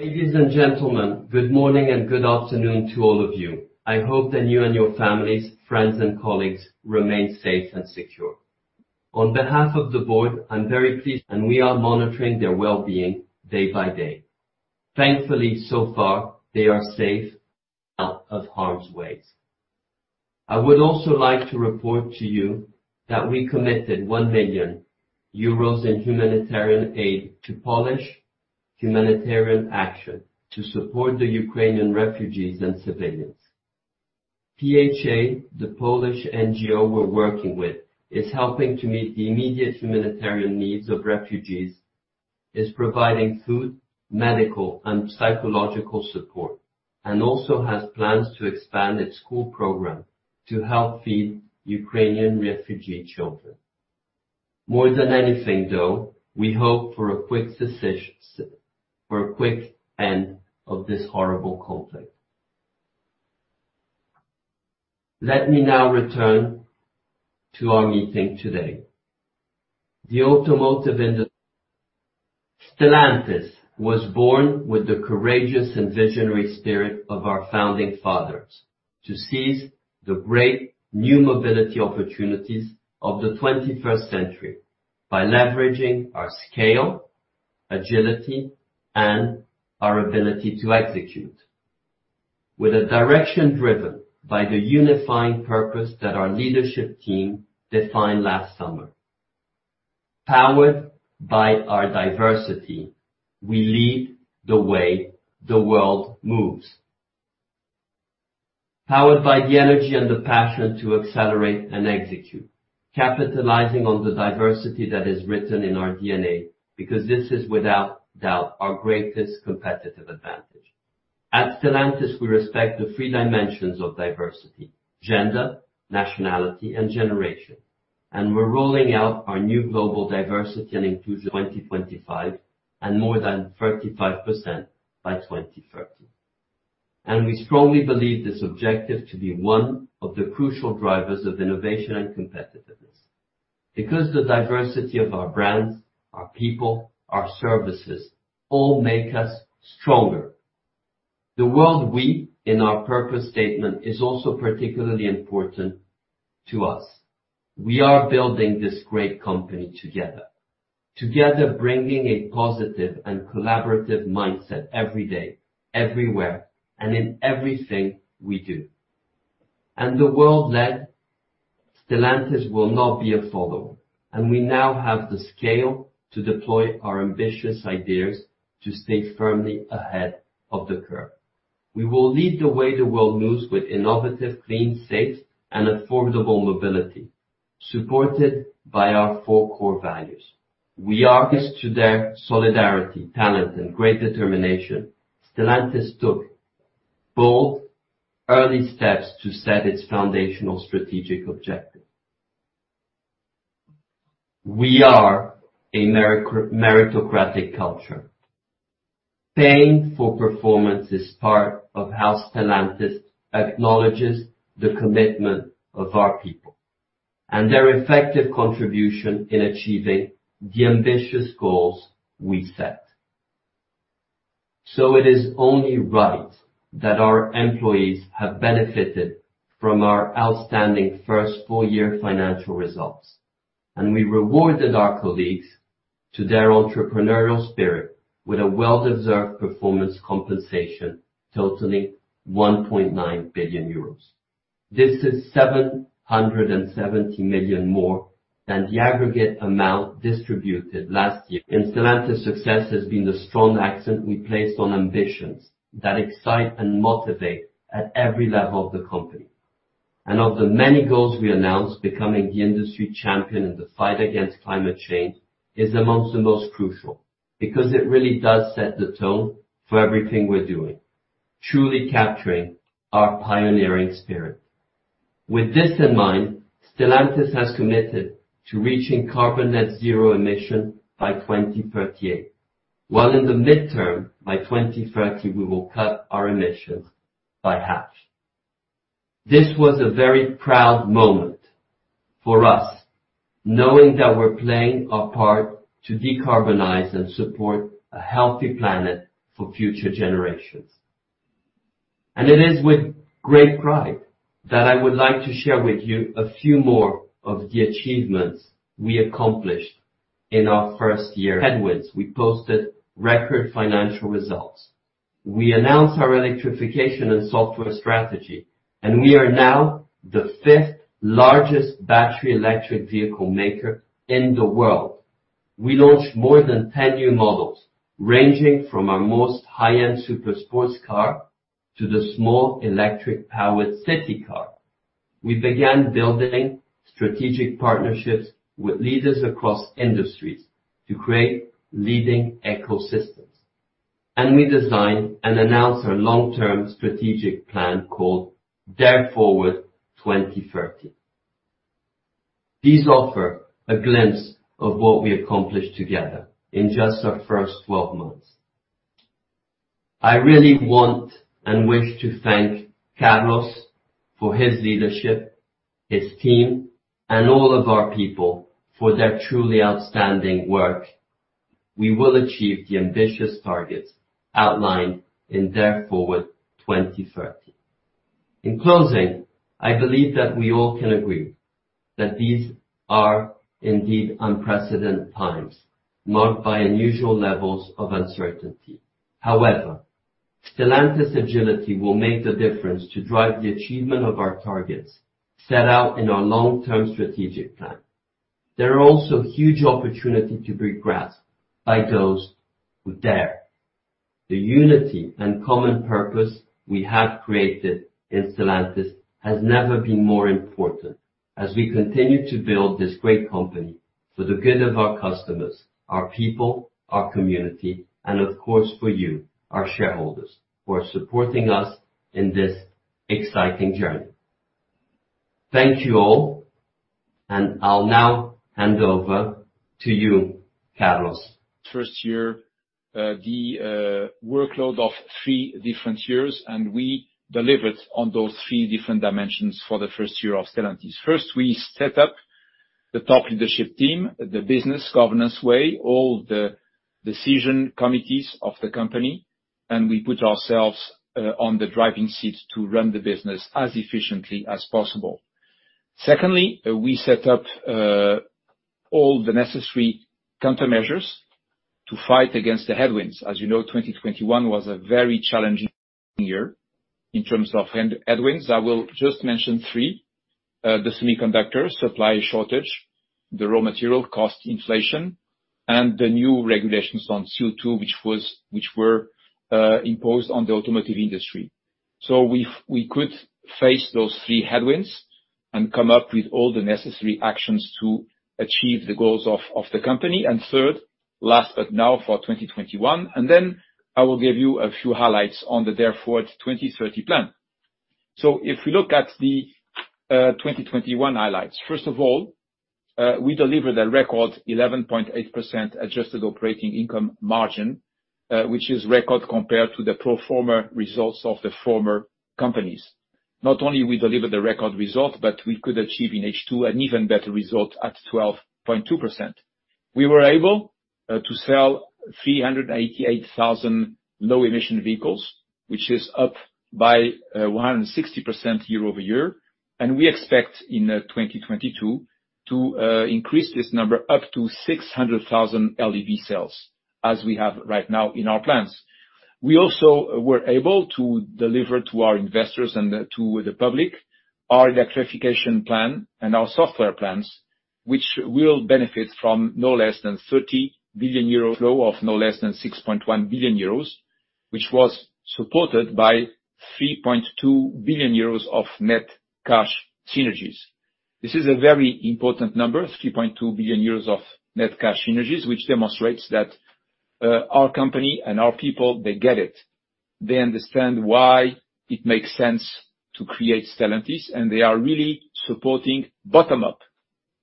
Ladies and gentlemen, good morning and good afternoon to all of you. I hope that you and your families, friends and colleagues remain safe and secure. On behalf of the board, I'm very pleased and we are monitoring their well-being day by day. Thankfully, so far, they are safe and out of harm's way. I would also like to report to you that we committed 1 million euros in humanitarian aid to Polish Humanitarian Action to support the Ukrainian refugees and civilians. PHA, the Polish NGO we're working with, is helping to meet the immediate humanitarian needs of refugees, is providing food, medical and psychological support and also has plans to expand its school program to help feed Ukrainian refugee children. More than anything, though, we hope for a quick end of this horrible conflict. Let me now return to our meeting today. Stellantis was born with the courageous and visionary spirit of our founding fathers to seize the great new mobility opportunities of the 21st century by leveraging our scale, agility and our ability to execute. With a direction driven by the unifying purpose that our leadership team defined last summer. Powered by our diversity, we lead the way the world moves. Powered by the energy and the passion to accelerate and execute, capitalizing on the diversity that is written in our DNA, because this is without doubt our greatest competitive advantage. At Stellantis, we respect the three dimensions of diversity: gender, nationality and generation and we're rolling out our new global diversity and inclusion 2025 and more than 35% by 2030. We strongly believe this objective to be one of the crucial drivers of innovation and competitiveness. Because the diversity of our brands, our people, our services, all make us stronger. The wording in our purpose statement is also particularly important to us. We are building this great company together, bringing a positive and collaborative mindset every day, everywhere and in everything we do. In a world that Stellantis will not be a follower and we now have the scale to deploy our ambitious ideas to stay firmly ahead of the curve. We will lead the way the world moves with innovative, clean, safe and affordable mobility, supported by our four core values. We are committed to their solidarity, talent and great determination. Stellantis took bold, early steps to set its foundational strategic objective. We are a meritocratic culture. Paying for performance is part of how Stellantis acknowledges the commitment of our people and their effective contribution in achieving the ambitious goals we set. It is only right that our employees have benefited from our outstanding first full year financial results and we rewarded our colleagues to their entrepreneurial spirit with a well-deserved performance compensation totaling 1.9 billion euros. This is 770 million more than the aggregate amount distributed last year. In Stellantis, success has been the strong accent we placed on ambitions that excite and motivate at every level of the company. Of the many goals we announced, becoming the industry champion in the fight against climate change is amongst the most crucial because it really does set the tone for everything we're doing, truly capturing our pioneering spirit. With this in mind, Stellantis has committed to reaching carbon net zero emission by 2038, while in the midterm, by 2030, we will cut our emissions by half. This was a very proud moment for us, knowing that we're playing our part to decarbonize and support a healthy planet for future generations. It is with great pride that I would like to share with you a few more of the achievements we accomplished in our first year. Despite headwinds, we posted record financial results. We announced our electrification and software strategy and we are now the fifth largest battery electric vehicle maker in the world. We launched more than 10 new models, ranging from our most high-end super sports car to the small electric-powered city car. We began building strategic partnerships with leaders across industries to create leading ecosystems. We designed and announced our long-term strategic plan called Dare Forward 2030. These offer a glimpse of what we accomplished together in just our first 12 months. I really want and wish to thank Carlos for his leadership, his team and all of our people for their truly outstanding work. We will achieve the ambitious targets outlined in Dare Forward 2030. In closing, I believe that we all can agree that these are indeed unprecedented times, marked by unusual levels of uncertainty. However, Stellantis agility will make the difference to drive the achievement of our targets set out in our long-term strategic plan. There are also huge opportunity to be grasped by those who dare. The unity and common purpose we have created in Stellantis has never been more important as we continue to build this great company for the good of our customers, our people, our community and of course for you, our shareholders, for supporting us in this exciting journey. Thank you all and I'll now hand over to you, Carlos. First year, the workload of three different years and we delivered on those three different dimensions for the first year of Stellantis. First, we set up the top leadership team, the business governance way, all the decision committees of the company and we put ourselves on the driving seat to run the business as efficiently as possible. Secondly, we set up all the necessary countermeasures to fight against the headwinds. As you know, 2021 was a very challenging year in terms of headwinds. I will just mention three. The semiconductor supply shortage, the raw material cost inflation and the new regulations on CO2, which were imposed on the automotive industry. We could face those three headwinds and come up with all the necessary actions to achieve the goals of the company. Third, last but not least for 2021 and then I will give you a few highlights on the Dare Forward 2030 plan. So if we look at the 2021 highlights, first of all, we delivered a record 11.8% adjusted operating income margin, which is record compared to the pro forma results of the former companies. Not only we delivered the record result but we could achieve in H2 an even better result at 12.2%. We were able to sell 388,000 low emission vehicles, which is up by 160% year-over-year. We expect in 2022 to increase this number up to 600,000 LEV sales, as we have right now in our plans. We also were able to deliver to our investors and to the public our electrification plan and our software plans, which will benefit from no less than 30 billion euro flow of no less than 6.1 billion euros, which was supported by 3.2 billion euros of net cash synergies. This is a very important number, 3.2 billion euros of net cash synergies, which demonstrates that our company and our people, they get it. They understand why it makes sense to create Stellantis and they are really supporting bottom up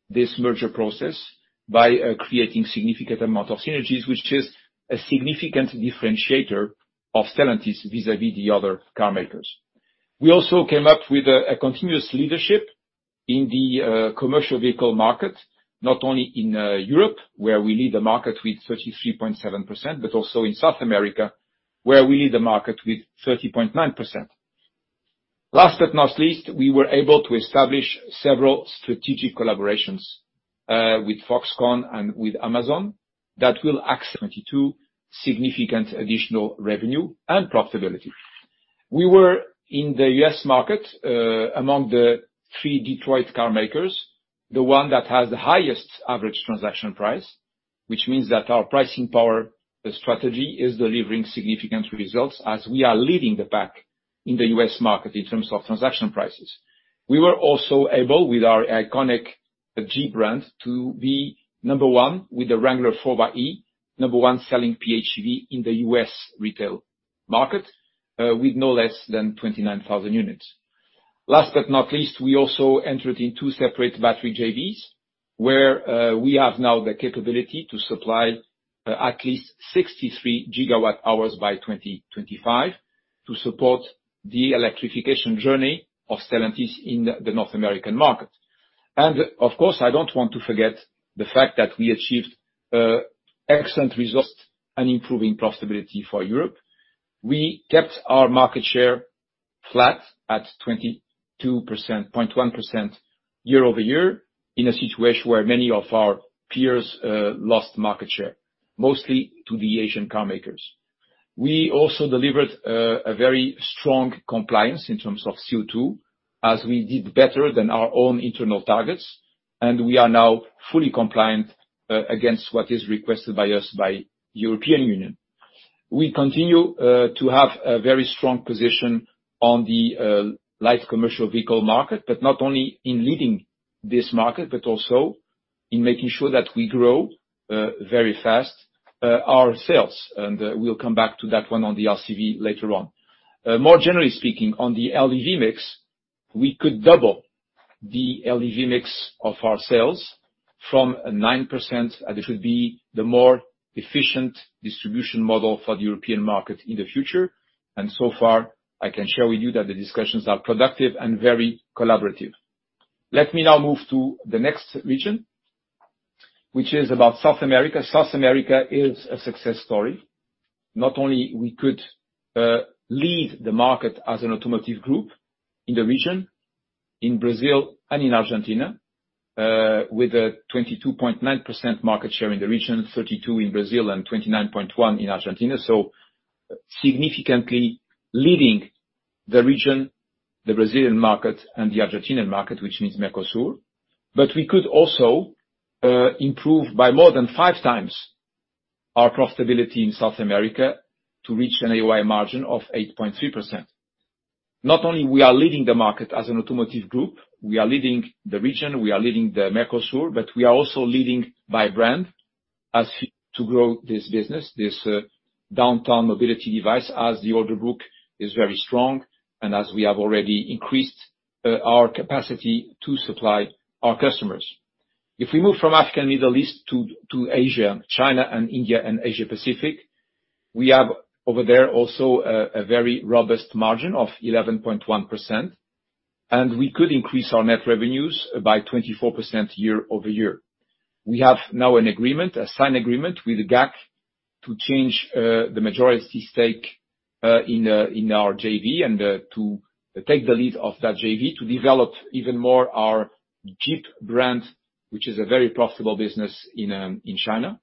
this merger process by creating significant amount of synergies, which is a significant differentiator of Stellantis vis-à-vis the other car makers. We also came up with a continuous leadership in the commercial vehicle market, not only in Europe, where we lead the market with 33.7% but also in South America, where we lead the market with 30.9%. Last but not least, we were able to establish several strategic collaborations with Foxconn and with Amazon that will add 2 billion significant additional revenue and profitability. We were in the U.S. market, among the three Detroit car makers, the one that has the highest average transaction price, which means that our pricing power strategy is delivering significant results as we are leading the pack in the U.S. market in terms of transaction prices. We were also able, with our iconic Jeep brand, to be number one with the Wrangler 4xe, number one selling PHEV in the U.S. retail market, with no less than 29,000 units. Last but not least, we also entered in two separate battery JVs, where we have now the capability to supply at least 63 gigawatt hours by 2025 to support the electrification journey of Stellantis in the North American market. Of course, I don't want to forget the fact that we achieved excellent results and improving profitability for Europe. We kept our market share flat at 22%, 0.1% year-over-year in a situation where many of our peers lost market share, mostly to the Asian car makers. We also delivered a very strong compliance in terms of CO2, as we did better than our own internal targets and we are now fully compliant against what is requested of us by the European Union. We continue to have a very strong position on the light commercial vehicle market but not only in leading this market but also in making sure that we grow very fast our sales. We'll come back to that one on the LCV later on. More generally speaking, on the LEV mix, we could double the LEV mix of our sales from 9% and it should be the more efficient distribution model for the European market in the future. So far, I can share with you that the discussions are productive and very collaborative. Let me now move to the next region, which is about South America. South America is a success story. Not only we could lead the market as an automotive group in the region, in Brazil and in Argentina, with a 22.9% market share in the region, 32% in Brazil and 29.1% in Argentina. Significantly leading the region, the Brazilian market and the Argentinian market, which means Mercosur. We could also improve by more than 5 times our profitability in South America to reach an AOI margin of 8.3%. Not only we are leading the market as an automotive group, we are leading the region, we are leading the Mercosur but we are also leading by brand as to grow this business. This downtown mobility device as the order book is very strong and as we have already increased our capacity to supply our customers. If we move from Africa and Middle East to Asia, China and India and Asia Pacific, we have over there also a very robust margin of 11.1% and we could increase our net revenues by 24% year-over-year. We have now an agreement, a signed agreement with GAC to change the majority stake in our JV and to take the lead of that JV to develop even more our Jeep brand, which is a very profitable business in China.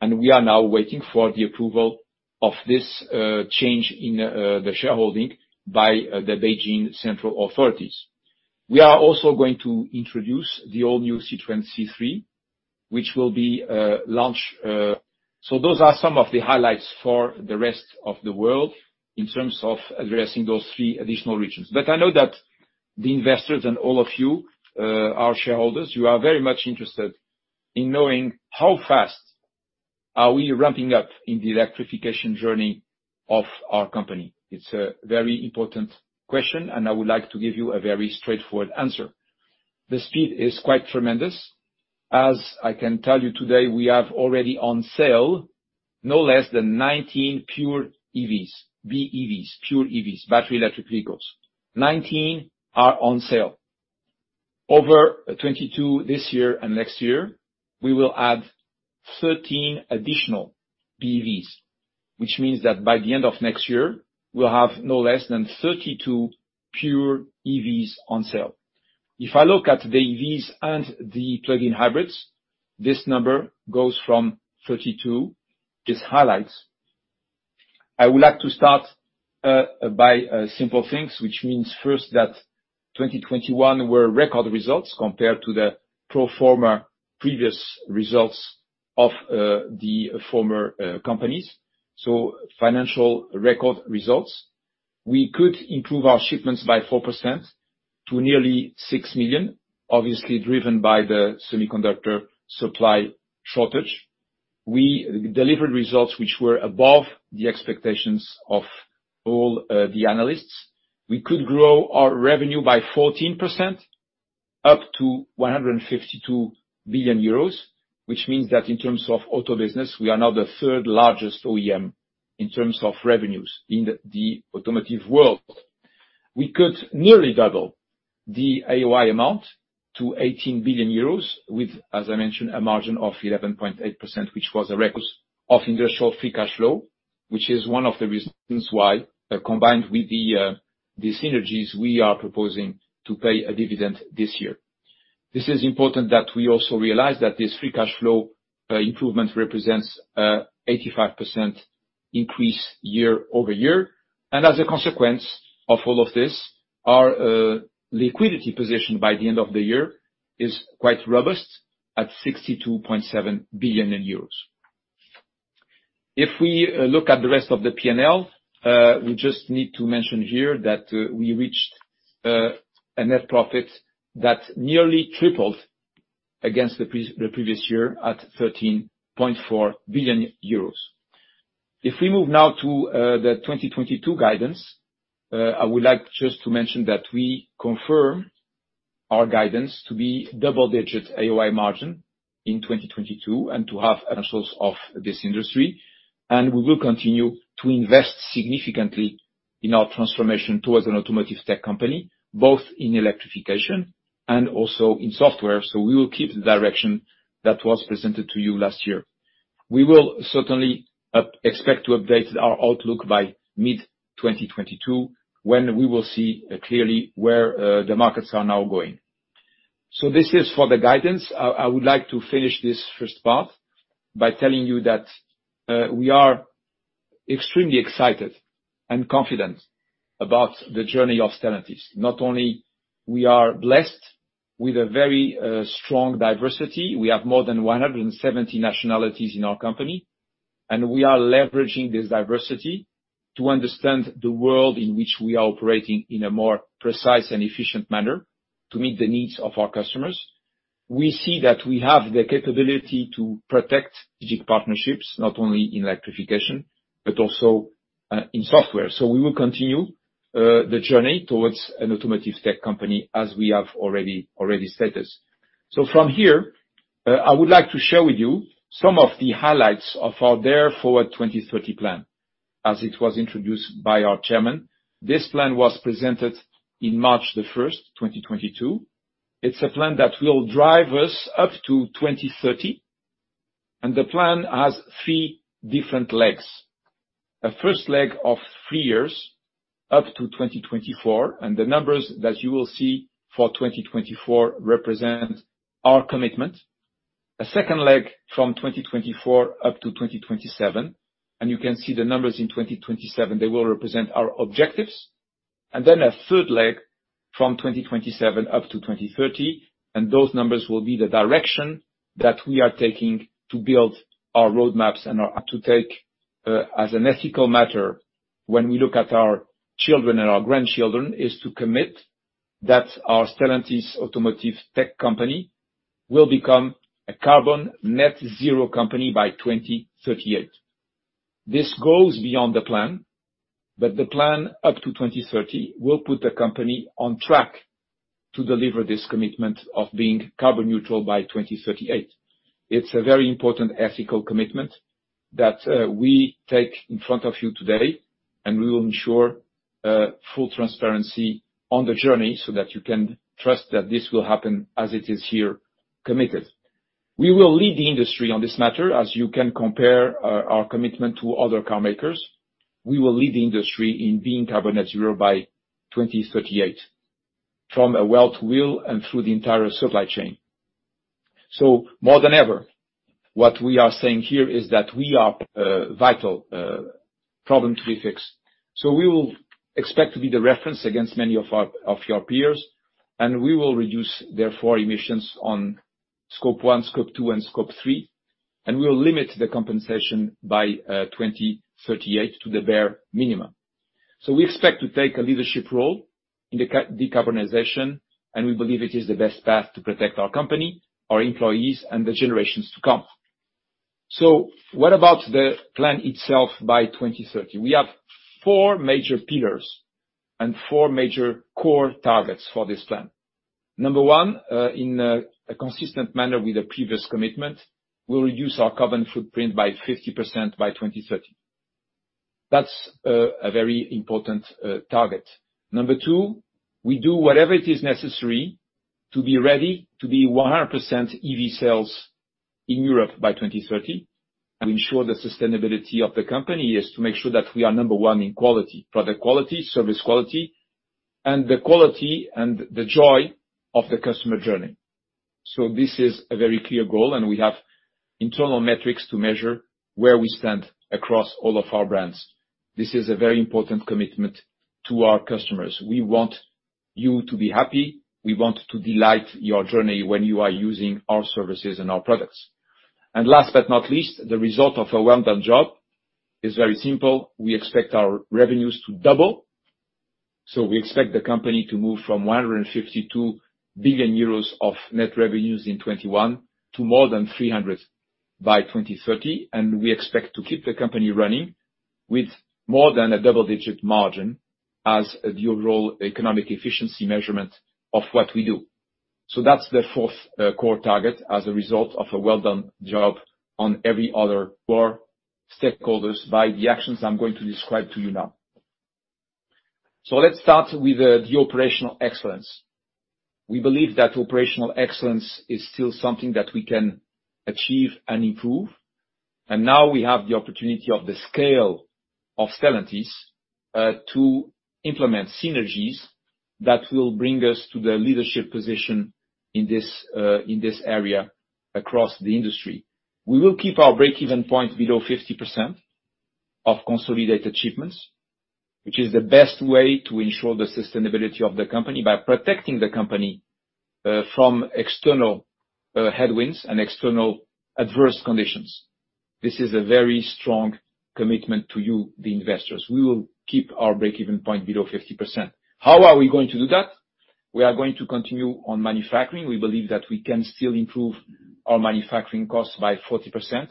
We are now waiting for the approval of this change in the shareholding by the Beijing central authorities. We are also going to introduce the all-new Citroën C3, which will be launched. Those are some of the highlights for the rest of the world in terms of addressing those three additional regions. I know that the investors and all of you, our shareholders, you are very much interested in knowing how fast are we ramping up in the electrification journey of our company. It's a very important question and I would like to give you a very straightforward answer. The speed is quite tremendous. As I can tell you today, we have already on sale no less than 19 pure EVs, BEVs, battery electric vehicles. 19 are on sale. Over 22 this year and next year, we will add 13 additional BEVs, which means that by the end of next year, we'll have no less than 32 pure EVs on sale. If I look at the EVs and the plug-in hybrids, this number goes from 32. Just highlights. I would like to start by simple things, which means first that 2021 were record results compared to the pro forma previous results of the former companies. Financial record results. We could improve our shipments by 4% to nearly 6 million, obviously driven by the semiconductor supply shortage. We delivered results which were above the expectations of all the analysts. We could grow our revenue by 14% up to 152 billion euros, which means that in terms of auto business, we are now the third largest OEM in terms of revenues in the automotive world. We could nearly double the AOI amount to 18 billion euros with, as I mentioned, a margin of 11.8%, which was a record. Industrial free cash flow, which is one of the reasons why, combined with the synergies we are proposing to pay a dividend this year. This is important that we also realize that this free cash flow improvement represents 85% increase year-over-year. As a consequence of all of this, our liquidity position by the end of the year is quite robust at 62.7 billion euros. If we look at the rest of the P&L, we just need to mention here that we reached a net profit that nearly tripled against the previous year at 13.4 billion euros. If we move now to the 2022 guidance, I would like just to mention that we confirm our guidance to be double-digit AOI margin in 2022 and to have positive net industrial cash flow. We will continue to invest significantly in our transformation towards an automotive tech company, both in electrification and also in software. We will keep the direction that was presented to you last year. We will certainly expect to update our outlook by mid-2022, when we will see clearly where the markets are now going. This is for the guidance. I would like to finish this first part by telling you that we are extremely excited and confident about the journey of Stellantis. Not only we are blessed with a very strong diversity, we have more than 170 nationalities in our company and we are leveraging this diversity to understand the world in which we are operating in a more precise and efficient manner to meet the needs of our customers. We see that we have the capability to pursue strategic partnerships, not only in electrification but also in software. We will continue the journey towards an automotive tech company, as we have already stated. From here, I would like to share with you some of the highlights of our Dare Forward 2030 plan. As it was introduced by our chairman, this plan was presented in March 1, 2022. It's a plan that will drive us up to 2030 and the plan has three different legs. A first leg of three years, up to 2024 and the numbers that you will see for 2024 represent our commitment. A second leg from 2024 up to 2027 and you can see the numbers in 2027, they will represent our objectives. A third leg from 2027 up to 2030 and those numbers will be the direction that we are taking to build our roadmaps as an ethical matter, when we look at our children and our grandchildren, is to commit that our Stellantis automotive tech company will become a carbon net zero company by 2038. This goes beyond the plan but the plan up to 2030 will put the company on track to deliver this commitment of being carbon neutral by 2038. It's a very important ethical commitment that we take in front of you today and we will ensure full transparency on the journey so that you can trust that this will happen as it is here committed. We will lead the industry on this matter, as you can compare our commitment to other car makers. We will lead the industry in being carbon net-zero by 2038, from a well-to-wheel and through the entire supply chain. More than ever, what we are saying here is that we are part of the problem to be fixed. We will expect to be the reference against many of your peers and we will reduce therefore emissions on Scope 1, Scope 2 and Scope 3 and we will limit the compensation by 2038 to the bare minimum. We expect to take a leadership role in the decarbonization and we believe it is the best path to protect our company, our employees and the generations to come. What about the plan itself by 2030? We have four major pillars and four major core targets for this plan. Number one, in a consistent manner with the previous commitment, we'll reduce our carbon footprint by 50% by 2030. That's a very important target. Number two, we do whatever it is necessary to be ready to be 100% EV sales in Europe by 2030 and ensure the sustainability of the company is to make sure that we are number one in quality, product quality, service quality and the quality and the joy of the customer journey. This is a very clear goal and we have internal metrics to measure where we stand across all of our brands. This is a very important commitment to our customers. We want you to be happy. We want to delight your journey when you are using our services and our products. Last but not least, the result of a well-done job is very simple. We expect our revenues to double. We expect the company to move from 152 billion euros of net revenues in 2021 to more than 300 billion by 2030 and we expect to keep the company running with more than a double-digit margin as an overall economic efficiency measurement of what we do. That's the fourth core target as a result of a well-done job on every other core stakeholders by the actions I'm going to describe to you now. Let's start with the operational excellence. We believe that operational excellence is still something that we can achieve and improve. And now we have the opportunity of the scale of Stellantis to implement synergies that will bring us to the leadership position in this area across the industry. We will keep our break-even point below 50% of consolidated shipments, which is the best way to ensure the sustainability of the company by protecting the company from external headwinds and external adverse conditions. This is a very strong commitment to you, the investors. We will keep our break-even point below 50%. How are we going to do that? We are going to continue on manufacturing. We believe that we can still improve our manufacturing costs by 40%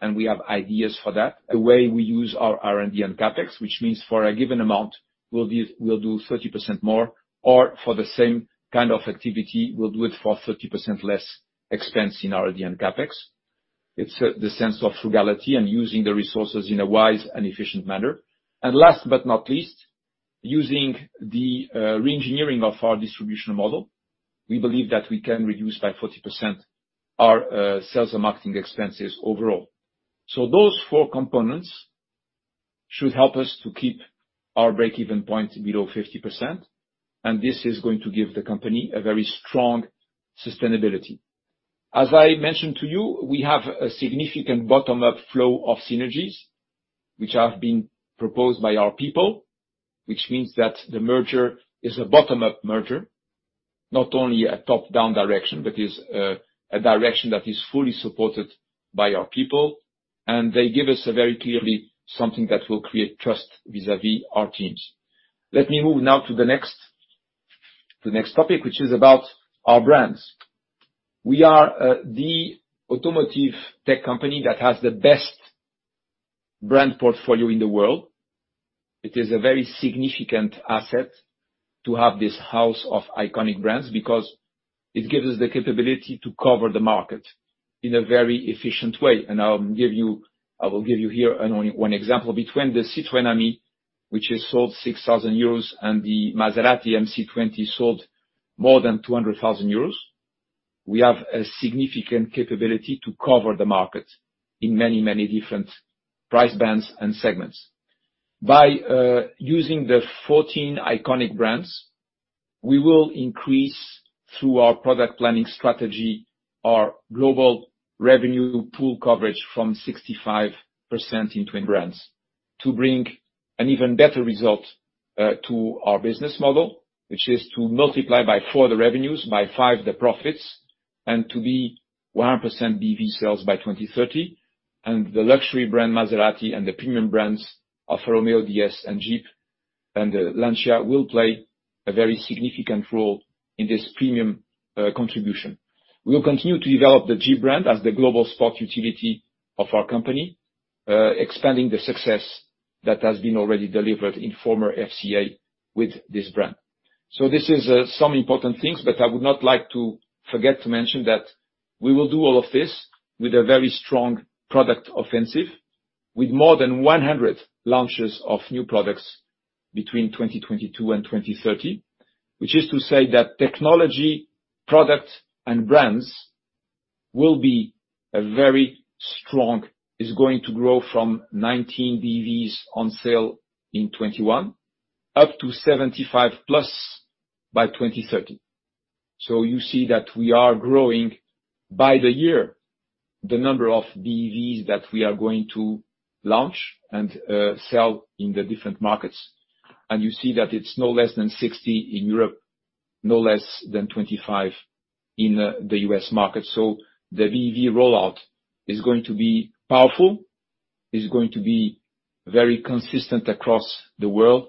and we have ideas for that. The way we use our R&D and CapEx, which means for a given amount, we'll use, we'll do 30% more or for the same kind of activity, we'll do it for 30% less expense in R&D and CapEx. It's the sense of frugality and using the resources in a wise and efficient manner. Last but not least, using the reengineering of our distribution model, we believe that we can reduce by 40% our sales and marketing expenses overall. Those four components should help us to keep our break-even point below 50% and this is going to give the company a very strong sustainability. As I mentioned to you, we have a significant bottom-up flow of synergies which have been proposed by our people, which means that the merger is a bottom-up merger. Not only a top-down direction but a direction that is fully supported by our people and they give us very clearly something that will create trust vis-à-vis our teams. Let me move now to the next topic, which is about our brands. We are the automotive tech company that has the best brand portfolio in the world. It is a very significant asset to have this house of iconic brands, because it gives us the capability to cover the market in a very efficient way. I will give you here only one example. Between the Citroën Ami, which has sold 6,000 euros and the Maserati MC20 sold more than 200,000 euros. We have a significant capability to cover the market in many different price bands and segments. By using the 14 iconic brands, we will increase through our product planning strategy, our global revenue pool coverage from 65% in twin brands to bring an even better result to our business model, which is to multiply by 4 the revenues, by 5 the profits and to be 100% BEV sales by 2030. The luxury brand Maserati and the premium brands Alfa Romeo, DS and Jeep and Lancia will play a very significant role in this premium contribution. We will continue to develop the Jeep brand as the global sport utility of our company, expanding the success that has been already delivered in former FCA with this brand. This is some important things. I would not like to forget to mention that we will do all of this with a very strong product offensive, with more than 100 launches of new products between 2022 and 2030. Which is to say that technology, product and brands will be very strong. It's going to grow from 19 BEVs on sale in 2021, up to 75+ by 2030. You see that we are growing by the year the number of BEVs that we are going to launch and sell in the different markets. You see that it's no less than 60 in Europe, no less than 25 in the U.S. market. The BEV rollout is going to be powerful, is going to be very consistent across the world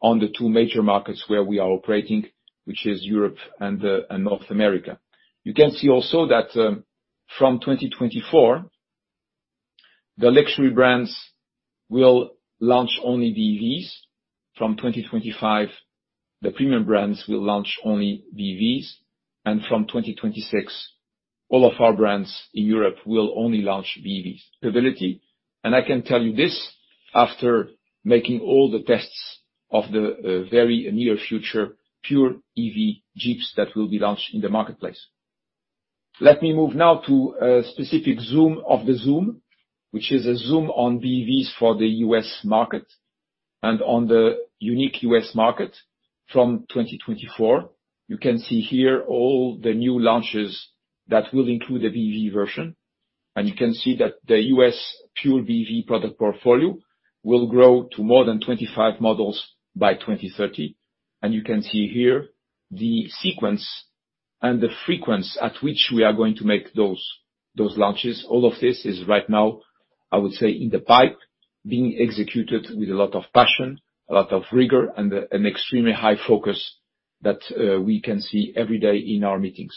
on the two major markets where we are operating, which is Europe and North America. You can see also that from 2024, the luxury brands will launch only BEVs. From 2025, the premium brands will launch only BEVs. From 2026, all of our brands in Europe will only launch BEVs and I can tell you this after making all the tests of the very near future pure EV Jeeps that will be launched in the marketplace. Let me move now to a specific zoom of the zoom, which is a zoom on BEVs for the U.S. market. On the unique U.S. market from 2024, you can see here all the new launches that will include a BEV version. You can see that the US pure BEV product portfolio will grow to more than 25 models by 2030. You can see here the sequence and the frequency at which we are going to make those launches. All of this is right now, I would say, in the pipeline, being executed with a lot of passion, a lot of rigor and an extremely high focus that we can see every day in our meetings.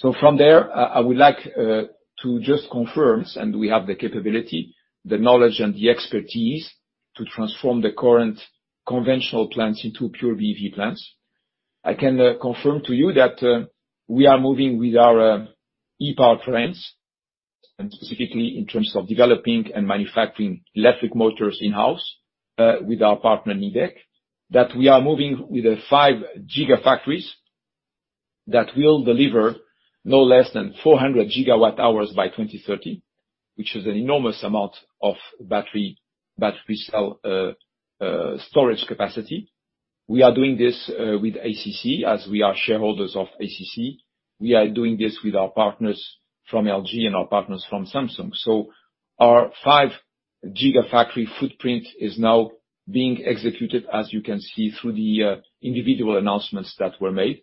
From there, I would like to just confirm and we have the capability, the knowledge and the expertise to transform the current conventional plants into pure BEV plants. I can confirm to you that we are moving with our e-powertrains and specifically in terms of developing and manufacturing electric motors in-house with our partner Nidec. That we are moving with the five gigafactories that will deliver no less than 400 gigawatt hours by 2030, which is an enormous amount of battery cell storage capacity. We are doing this with ACC, as we are shareholders of ACC. We are doing this with our partners from LG and our partners from Samsung. Our five gigafactory footprint is now being executed as you can see through the individual announcements that were made.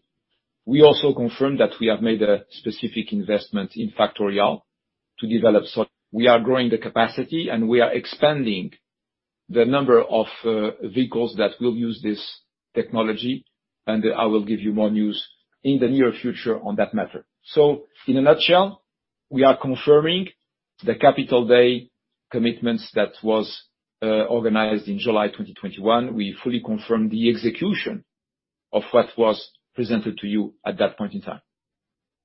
We also confirm that we have made a specific investment in Factorial to develop. We are growing the capacity and we are expanding the number of vehicles that will use this technology. I will give you more news in the near future on that matter. In a nutshell, we are confirming the Capital Markets Day commitments that was organized in July 2021. We fully confirm the execution of what was presented to you at that point in time.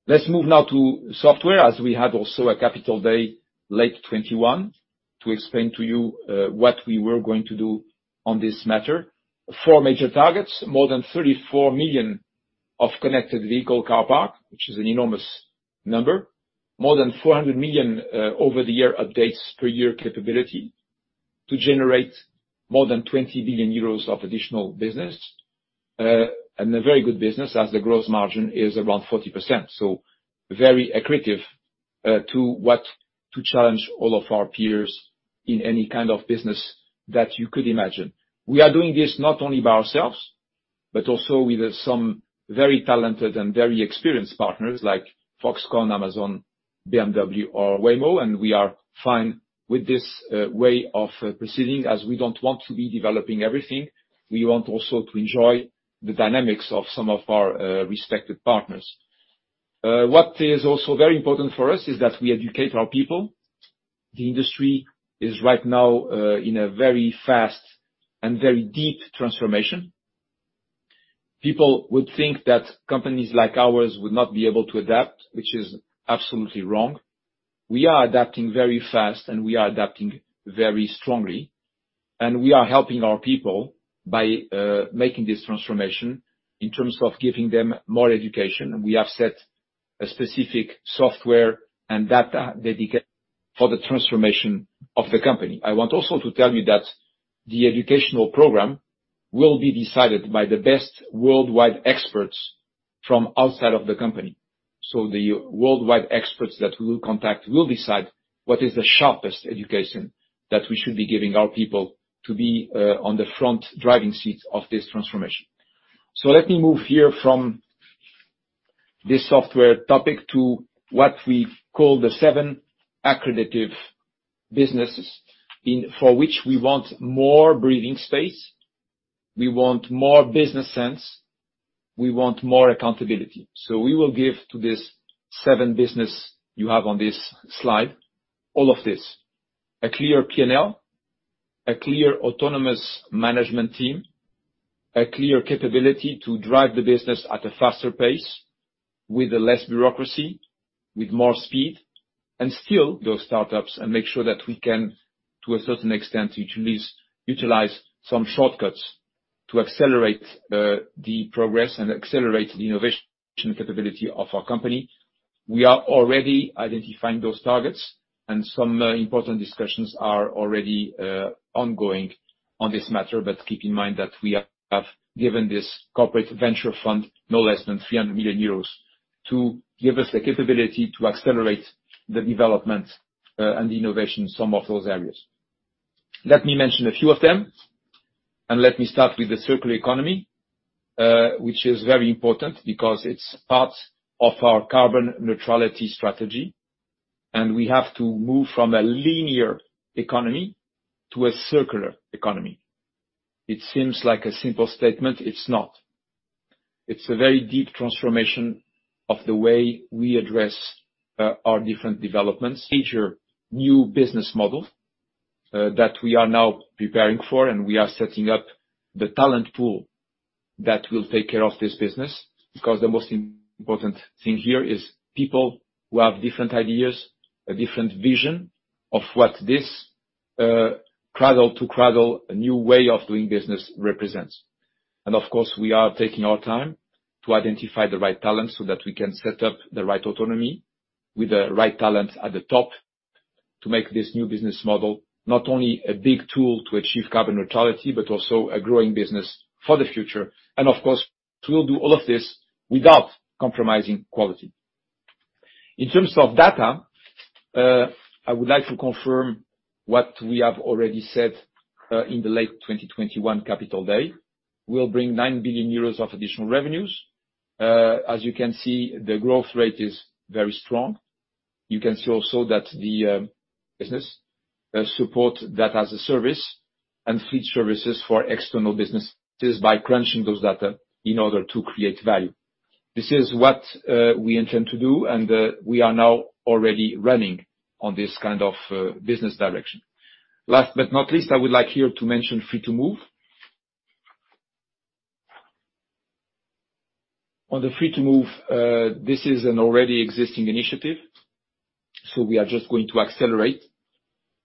Let's move now to software, as we had also a capital day late 2021 to explain to you what we were going to do on this matter. Four major targets, more than 34 million connected vehicle car park, which is an enormous number. More than 400 million over-the-air updates per year capability to generate more than 20 billion euros of additional business. And a very good business, as the growth margin is around 40%. Very accretive to challenge all of our peers in any kind of business that you could imagine. We are doing this not only by ourselves but also with some very talented and very experienced partners like Foxconn, Amazon, BMW or Waymo and we are fine with this way of proceeding as we don't want to be developing everything. We want also to enjoy the dynamics of some of our respected partners. What is also very important for us is that we educate our people. The industry is right now in a very fast and very deep transformation. People would think that companies like ours would not be able to adapt, which is absolutely wrong. We are adapting very fast and we are adapting very strongly. We are helping our people by making this transformation in terms of giving them more education. We have set a specific software and data dedicated for the transformation of the company. I want also to tell you that the educational program will be decided by the best worldwide experts from outside of the company. The worldwide experts that we will contact will decide what is the sharpest education that we should be giving our people to be on the front driving seats of this transformation. Let me move here from this software topic to what we call the seven accretive businesses for which we want more breathing space. We want more business sense. We want more accountability. We will give to this seven business you have on this slide all of this. A clear P&L, a clear autonomous management team, a clear capability to drive the business at a faster pace with less bureaucracy, with more speed and still those startups and make sure that we can, to a certain extent, utilize some shortcuts to accelerate the progress and accelerate the innovation capability of our company. We are already identifying those targets and some important discussions are already ongoing on this matter. Keep in mind that we have given this corporate venture fund no less than 300 million euros to give us the capability to accelerate the development and innovation in some of those areas. Let me mention a few of them and let me start with the circular economy, which is very important because it's part of our carbon neutrality strategy and we have to move from a linear economy to a circular economy. It seems like a simple statement. It's not. It's a very deep transformation of the way we address our different developments, a major new business model that we are now preparing for and we are setting up the talent pool that will take care of this business. Because the most important thing here is people who have different ideas, a different vision of what this cradle-to-cradle new way of doing business represents. Of course, we are taking our time to identify the right talent so that we can set up the right autonomy with the right talent at the top to make this new business model not only a big tool to achieve carbon neutrality but also a growing business for the future. Of course, we will do all of this without compromising quality. In terms of data, I would like to confirm what we have already said in the late 2021 Capital Markets Day. We'll bring 9 billion euros of additional revenues. As you can see, the growth rate is very strong. You can see also that the business software as a service and fleet services for external businesses by crunching those data in order to create value. This is what we intend to do and we are now already running on this kind of business direction. Last but not least, I would like here to mention Free2move. On the Free2move, this is an already existing initiative, so we are just going to accelerate.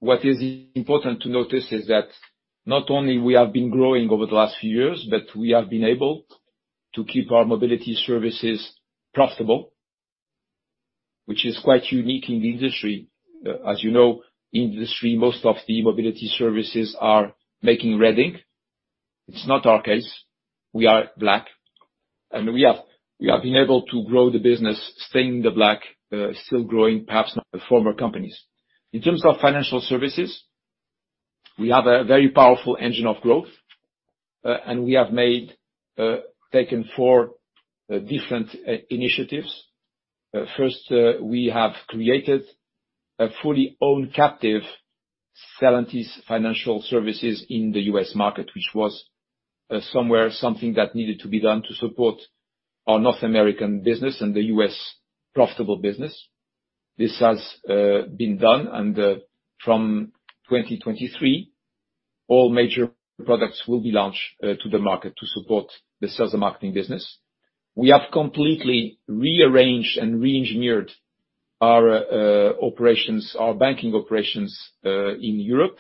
What is important to notice is that not only we have been growing over the last few years but we have been able to keep our mobility services profitable, which is quite unique in the industry. As you know, in the industry, most of the mobility services are making red ink. It's not our case. We are black and we have been able to grow the business, staying in the black, still growing, perhaps for more companies. In terms of financial services, we have a very powerful engine of growth and we have taken 4 different initiatives. First, we have created a fully owned captive Stellantis Financial Services in the U.S. market, which was sort of something that needed to be done to support our North American business and the U.S. profitable business. This has been done and from 2023, all major products will be launched to the market to support the sales and marketing business. We have completely rearranged and reengineered our operations, our banking operations in Europe.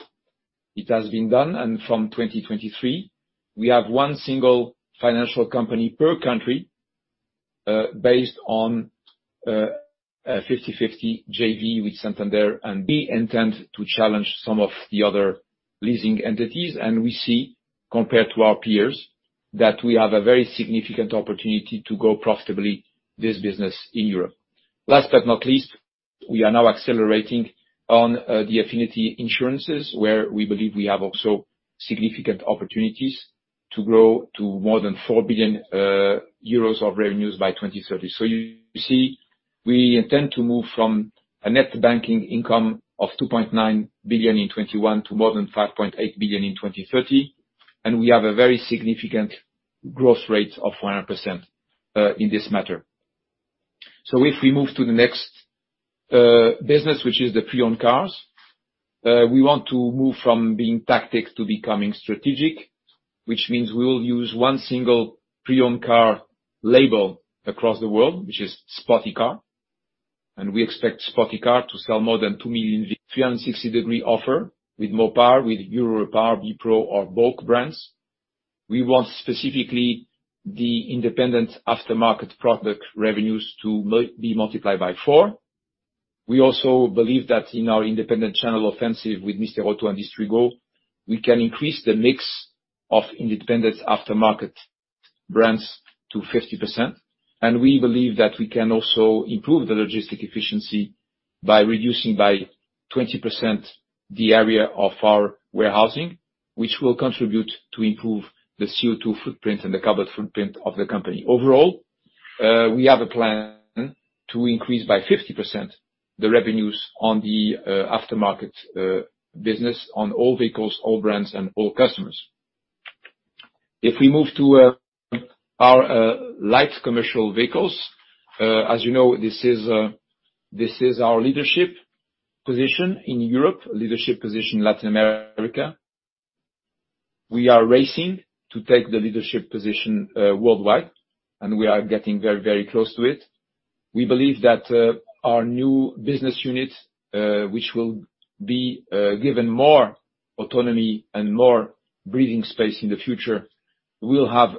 It has been done and from 2023, we have one single financial company per country, based on a 50/50 JV with Santander. We intend to challenge some of the other leasing entities and we see, compared to our peers, that we have a very significant opportunity to grow profitably this business in Europe. Last but not least. We are now accelerating on the affinity insurances, where we believe we have also significant opportunities to grow to more than 4 billion euros of revenues by 2030. You see, we intend to move from a net banking income of 2.9 billion in 2021 to more than 5.8 billion in 2030. We have a very significant growth rate of 100% in this matter. If we move to the next business, which is the pre-owned cars, we want to move from being tactical to becoming strategic, which means we will use one single pre-owned car label across the world, which is SPOTiCAR. We expect SPOTiCAR to sell more than 2 million with a 360-degree offer with Mopar, with Eurorepar, bproauto or Bolk brands. We want, specifically, the independent aftermarket product revenues to be multiplied by 4. We also believe that in our independent channel offensive with Mister Auto and Distrigo, we can increase the mix of independent aftermarket brands to 50%. We believe that we can also improve the logistics efficiency by reducing by 20% the area of our warehousing, which will contribute to improve the CO2 footprint and the carbon footprint of the company. Overall, we have a plan to increase by 50% the revenues on the aftermarket business on all vehicles, all brands and all customers. If we move to our light commercial vehicles, as you know, this is our leadership position in Europe, leadership position Latin America. We are racing to take the leadership position worldwide and we are getting very, very close to it. We believe that our new business unit, which will be given more autonomy and more breathing space in the future, we'll have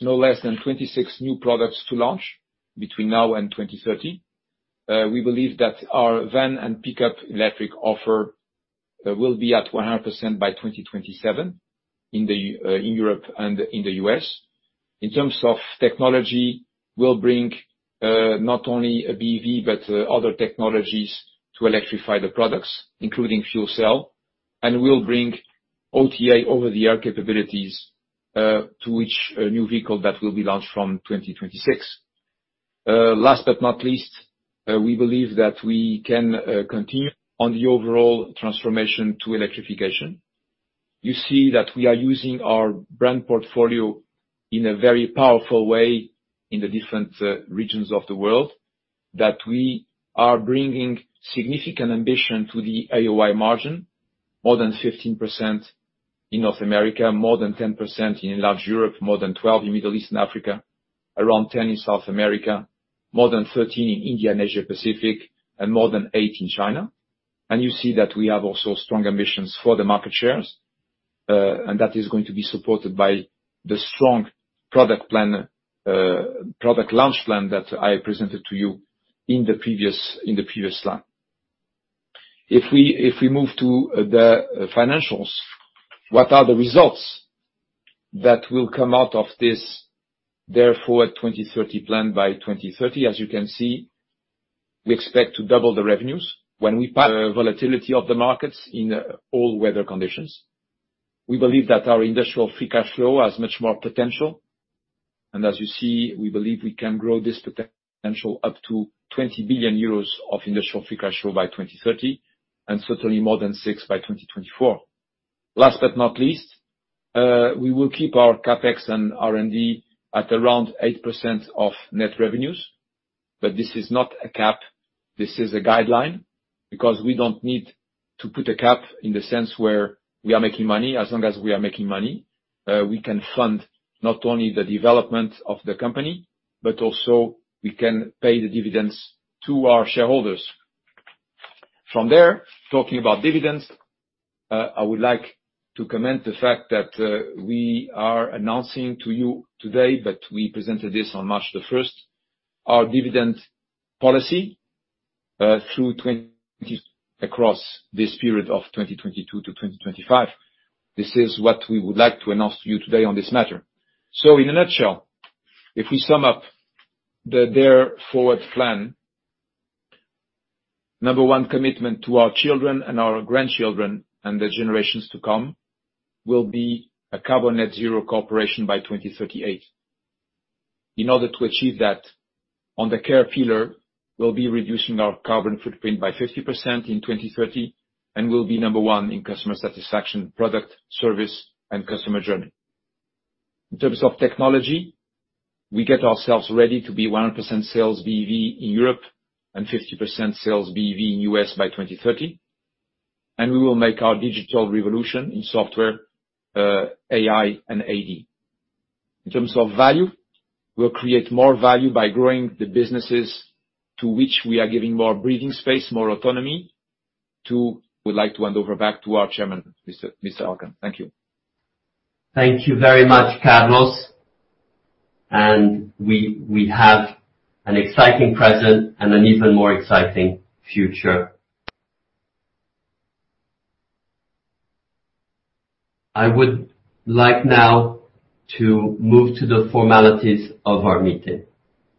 no less than 26 new products to launch between now and 2030. We believe that our van and pickup electric offer will be at 100% by 2027 in Europe and in the U.S. In terms of technology, we'll bring not only a BEV but other technologies to electrify the products, including fuel cell. We'll bring OTA, over-the-air capabilities to each new vehicle that will be launched from 2026. Last but not least, we believe that we can continue on the overall transformation to electrification. You see that we are using our brand portfolio in a very powerful way in the different regions of the world, that we are bringing significant ambition to the AOI margin. More than 15% in North America, more than 10% Enlarged Europe, more than 12% in Middle East and Africa, around 10% in South America, more than 13% in India and Asia-Pacific and more than 8% in China. You see that we have also strong ambitions for the market shares and that is going to be supported by the strong product plan, product launch plan that I presented to you in the previous slide. If we move to the financials, what are the results that will come out of this Dare Forward 2030 plan by 2030? As you can see, we expect to double the revenues when we pass the volatility of the markets in all weather conditions. We believe that our industrial free cash flow has much more potential. As you see, we believe we can grow this potential up to 20 billion euros of industrial free cash flow by 2030 and certainly more than 6 billion by 2024. Last but not least, we will keep our CapEx and R&D at around 8% of net revenues. This is not a cap, this is a guideline. We don't need to put a cap in the sense where we are making money. As long as we are making money, we can fund not only the development of the company but also we can pay the dividends to our shareholders. From there, talking about dividends, I would like to comment on the fact that we are announcing to you today but we presented this on 1 March, our dividend policy through this period of 2022 to 2025. This is what we would like to announce to you today on this matter. In a nutshell, if we sum up the Dare Forward plan, number one commitment to our children and our grandchildren and the generations to come, will be a carbon net zero corporation by 2038. In order to achieve that, on the care pillar, we'll be reducing our carbon footprint by 50% in 2030 and we'll be number one in customer satisfaction, product, service and customer journey. In terms of technology, we get ourselves ready to be 100% sales BEV in Europe and 50% sales BEV in U.S. by 2030. We will make our digital revolution in software, AI and AD. In terms of value, we'll create more value by growing the businesses to which we are giving more breathing space, more autonomy. We'd like to hand over back to our chairman, Mr. Elkann. Thank you. Thank you very much, Carlos. We have an exciting present and an even more exciting future. I would like now to move to the formalities of our meeting.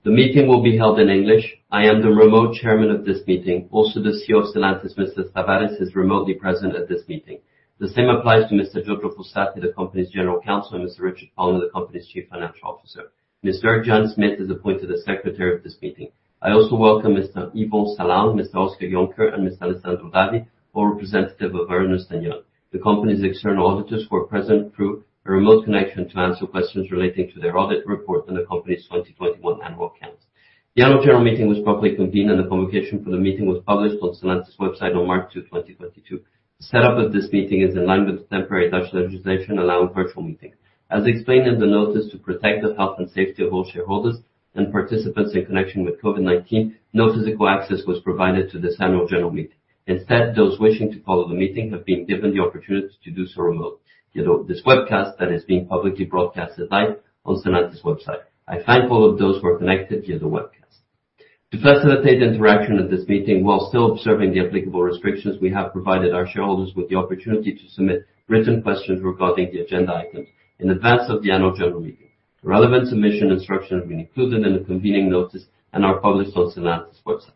The meeting will be held in English. I am the remote chairman of this meeting. Also, the CEO of Stellantis, Mr. Tavares, is remotely present at this meeting. The same applies to Mr. Giorgio Fossati, the company's General Counsel and Mr. Richard Palmer, the company's Chief Financial Officer. Ms. Bregje Smith is appointed as secretary of this meeting. I also welcome Mr. Yvan Salamon, Mr. Oscar Jonker and Ms. Alessandra Davi, all representative of Ernst & Young. The company's external auditors who are present through a remote connection to answer questions relating to their audit report and the company's 2021 annual accounts. The annual general meeting was properly convened and the publication for the meeting was published on the Stellantis website on 2 March 2022. The setup of this meeting is in line with the temporary Dutch legislation allowing virtual meetings. As explained in the notice to protect the health and safety of all shareholders and participants in connection with COVID-19, no physical access was provided to this annual general meeting. Instead, those wishing to follow the meeting have been given the opportunity to do so remotely via this webcast that is being publicly broadcast tonight on the Stellantis website. I thank all of those who are connected via the webcast. To facilitate interaction at this meeting while still observing the applicable restrictions, we have provided our shareholders with the opportunity to submit written questions regarding the agenda items in advance of the annual general meeting. Relevant submission instructions have been included in the convening notice and are published on Stellantis website.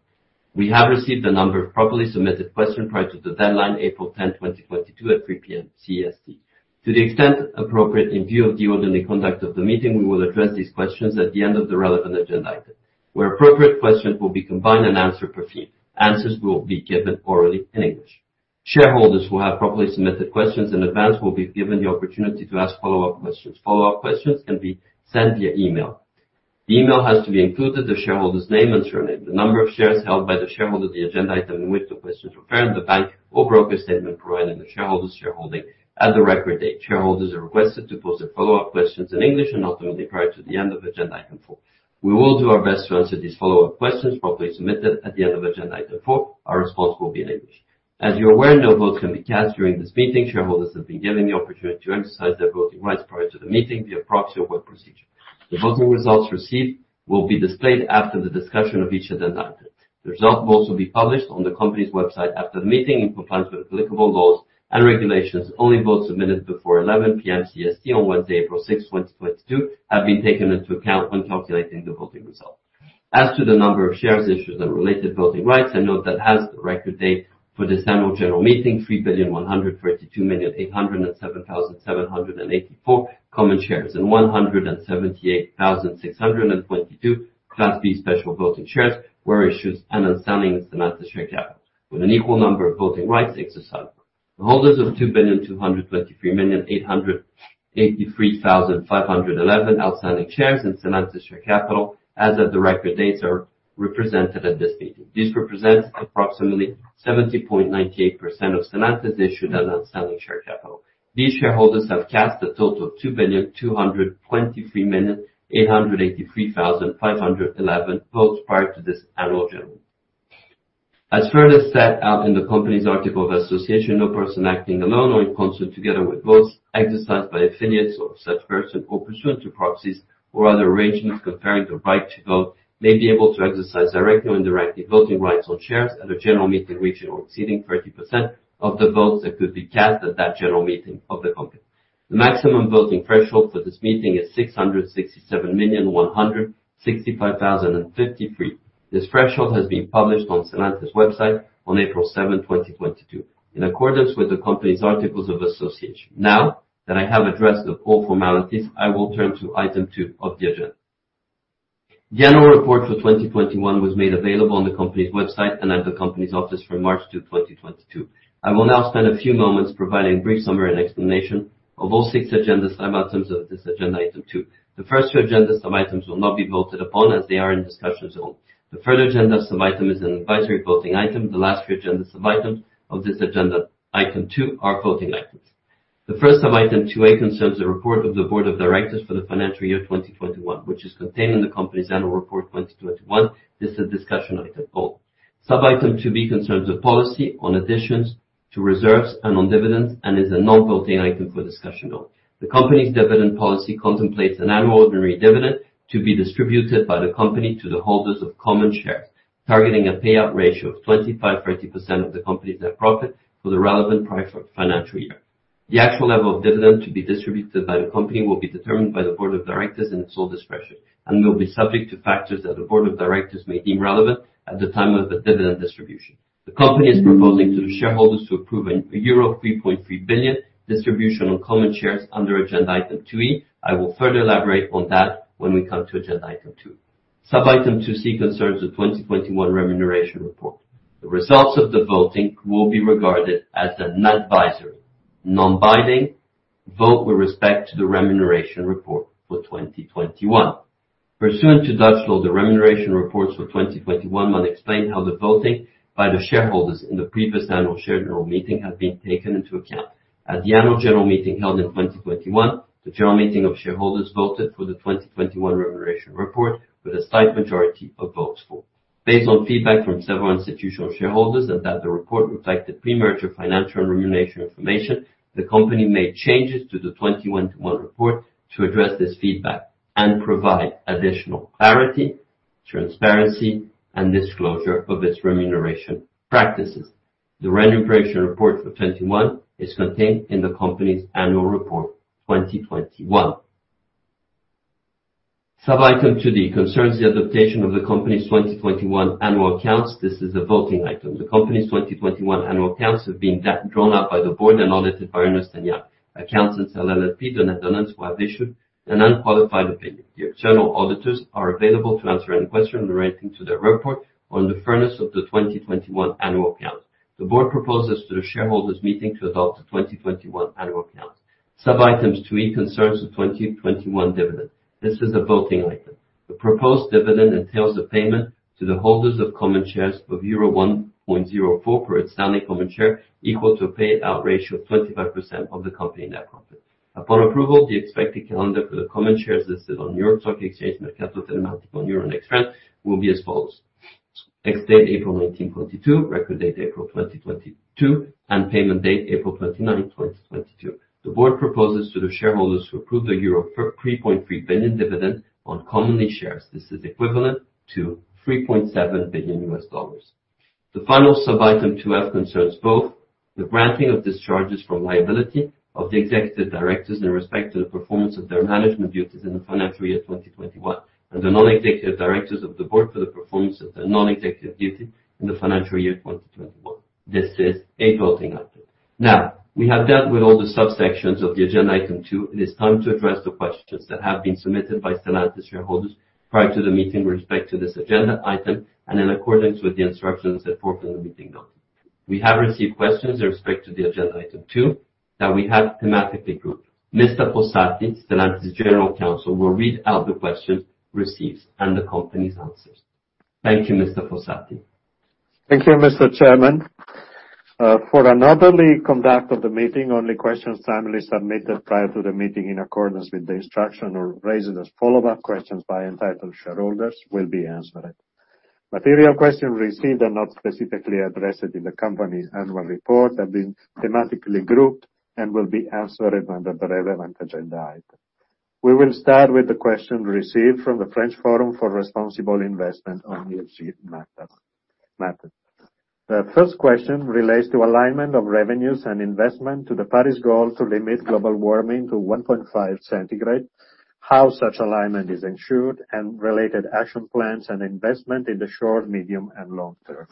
We have received a number of properly submitted questions prior to the deadline 10 April 2022 at 3:00 P.M. CEST. To the extent appropriate in view of the orderly conduct of the meeting, we will address these questions at the end of the relevant agenda item. Where appropriate, questions will be combined and answered per theme. Answers will be given orally in English. Shareholders who have properly submitted questions in advance will be given the opportunity to ask follow-up questions. Follow-up questions can be sent via email. The email has to include the shareholder's name and surname, the number of shares held by the shareholder, the agenda item in which the questions refer and the bank or broker statement providing the shareholder's shareholding at the record date. Shareholders are requested to pose their follow-up questions in English and ultimately prior to the end of agenda item four. We will do our best to answer these follow-up questions properly submitted at the end of agenda item four. Our response will be in English. As you're aware, no votes can be cast during this meeting. Shareholders have been given the opportunity to exercise their voting rights prior to the meeting via proxy or web procedure. The voting results received will be displayed after the discussion of each agenda item. The voting results will be published on the company's website after the meeting in compliance with applicable laws and regulations. Only votes submitted before 11:00 P.M. CEST on Wednesday 6 April 2022, have been taken into account when calculating the voting results. As to the number of shares issued and related voting rights, I note that as the record date for this annual general meeting. 3,132,800,784 common shares and 178,622 Class B special voting shares were issued and outstanding in Stellantis share capital with an equal number of voting rights exercised. The holders of 2,223,883,511 outstanding shares in Stellantis share capital as of the record dates are represented at this meeting. This represents approximately 70.98% of Stellantis issued and outstanding share capital. These shareholders have cast a total of 2,223,883,511 votes prior to this annual general. As further set out in the company's articles of association, no person acting alone or in concert, together with votes exercised by affiliates of such person or pursuant to proxies or other arrangements conferring the right to vote may be able to exercise directly or indirectly voting rights or shares at a general meeting reaching or exceeding 30% of the votes that could be cast at that general meeting of the company. The maximum voting threshold for this meeting is 667,165,053. This threshold has been published on the Stellantis website on 7 April 2022, in accordance with the company's articles of association. Now that I have addressed all the formalities, I will turn to item two of the agenda. The annual report for 2021 was made available on the company's website and at the company's office from 2 March 2022. I will now spend a few moments providing a brief summary and explanation of all six agenda sub-items of this agenda item two. The first two agenda sub-items will not be voted upon as they are in discussion zone. The third agenda sub-item is an advisory voting item. The last three agenda sub-items of this agenda item two are voting items. The first sub-item, two A, concerns a report of the board of directors for the financial year 2021, which is contained in the company's annual report 2021. This is a discussion item only. Sub-item two B concerns a policy on additions to reserves and on dividends and is a non-voting item for discussion only. The company's dividend policy contemplates an annual ordinary dividend to be distributed by the company to the holders of common shares, targeting a payout ratio of 25%-30% of the company's net profit for the relevant prior financial year. The actual level of dividend to be distributed by the company will be determined by the board of directors in its sole discretion and will be subject to factors that the board of directors may deem relevant at the time of the dividend distribution. The company is proposing to the shareholders to approve a euro 3.3 billion distribution on common shares under agenda item 2E. I will further elaborate on that when we come to agenda item 2. Sub-item 2C concerns the 2021 remuneration report. The results of the voting will be regarded as an advisory non-binding vote with respect to the remuneration report for 2021. Pursuant to Dutch law, the remuneration reports for 2021 must explain how the voting by the shareholders in the previous annual general meeting has been taken into account. At the annual general meeting held in 2021, the general meeting of shareholders voted for the 2021 remuneration report with a slight majority of votes for. Based on feedback from several institutional shareholders and that the report reflected pre-merger financial and remuneration information, the company made changes to the 2021 report to address this feedback and provide additional clarity, transparency and disclosure of its remuneration practices. The remuneration report for 2021 is contained in the company's annual report 2021. Sub-item 2D concerns the adoption of the company's 2021 annual accounts. This is a voting item. The company's 2021 annual accounts have been drawn up by the board and audited by Ernst & Young Accountants LLP. The Netherlands, who have issued an unqualified opinion. The external auditors are available to answer any question relating to their report on the financials of the 2021 annual accounts. The board proposes to the shareholders' meeting to adopt the 2021 annual accounts. Sub-items 2 E concerns the 2021 dividend. This is a voting item. The proposed dividend entails the payment to the holders of common shares of euro 1.04 per outstanding common share, equal to a payout ratio of 25% of the company net profit. Upon approval, the expected calendar for the common shares listed on New York Stock Exchange Mercato Telematico and Euronext Paris will be as follows. Ex-date 19 April 2022, record date 20 April 2022 and payment date 29 April 2022. The board proposes to the shareholders to approve the 1.3 billion euro dividend on common shares. This is equivalent to $3.7 billion. The final sub-item 2F concerns both the granting of discharges from liability of the Executive Directors in respect to the performance of their management duties in the financial year 2021 and the non-Executive Directors of the board for the performance of their non-executive duties in the financial year 2021. This is a voting item. Now, we have dealt with all the subsections of the agenda item 2. It is time to address the questions that have been submitted by Stellantis shareholders prior to the meeting with respect to this agenda item and in accordance with the instructions set forth in the meeting notes. We have received questions in respect to the agenda item two, that we have thematically grouped. Mr. Fossati, Stellantis's General Counsel, will read out the questions received and the company's answers. Thank you, Mr. Fossati. Thank you, Mr. Chairman. For an orderly conduct of the meeting, only questions timely submitted prior to the meeting in accordance with the instructions or raised as follow-up questions by entitled shareholders will be answered. Material questions received and not specifically addressed in the company's annual report have been thematically grouped and will be answered under the relevant agenda item. We will start with the question received from the Forum pour l'Investissement Responsable on ESG matters. The first question relates to alignment of revenues and investment to the Paris goal to limit global warming to 1.5 degrees Celsius, how such alignment is ensured and related action plans and investment in the short, medium and long term.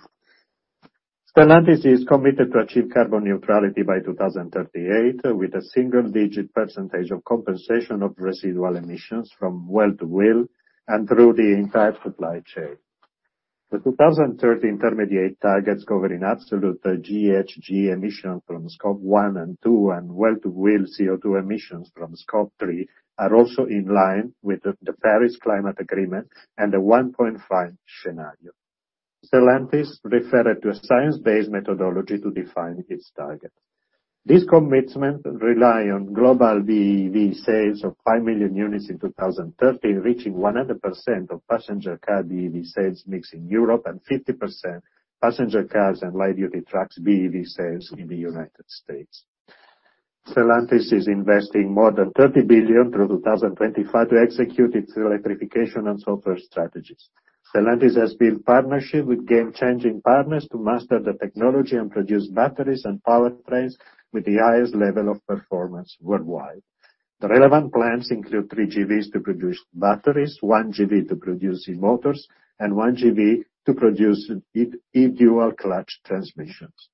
Stellantis is committed to achieve carbon neutrality by 2038, with a single-digit % of compensation of residual emissions from well-to-wheel and through the entire supply chain. The 2030 intermediate targets cover in absolute the GHG emission from Scope 1 and 2 and well-to-wheel CO2 emissions from Scope 3 are also in line with the Paris Climate Agreement and the 1.5 scenario. Stellantis referred to a science-based methodology to define its targets. This commitment rely on global BEV sales of 5 million units in 2030, reaching 100% of passenger car BEV sales mix in Europe and 50% passenger cars and light-duty trucks BEV sales in the United States. Stellantis is investing more than 30 billion through 2025 to execute its electrification and software strategies. Stellantis has built partnership with game-changing partners to master the technology and produce batteries and powertrains with the highest level of performance worldwide. The relevant plans include 3 GBs to produce batteries, 1 GB to produce e-motors and 1 GB to produce e-dual clutch transmissions.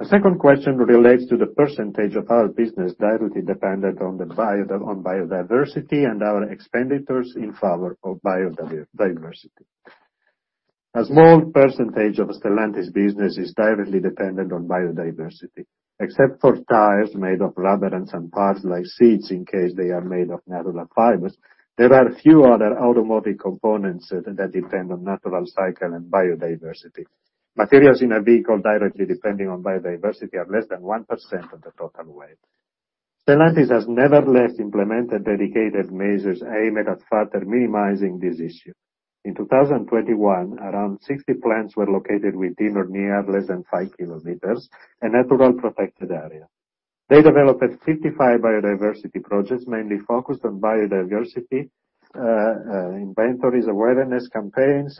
The second question relates to the percentage of our business directly dependent on biodiversity and our expenditures in favor of biodiversity. A small percentage of Stellantis business is directly dependent on biodiversity. Except for tires made of rubber and some parts like seats, in case they are made of natural fibers, there are few other automotive components that depend on natural cycle and biodiversity. Materials in a vehicle directly depending on biodiversity are less than 1% of the total weight. Stellantis has nevertheless implemented dedicated measures aimed at further minimizing this issue. In 2021, around 60 plants were located within or near a natural protected area less than 5 km. They developed 55 biodiversity projects, mainly focused on biodiversity, inventories, awareness campaigns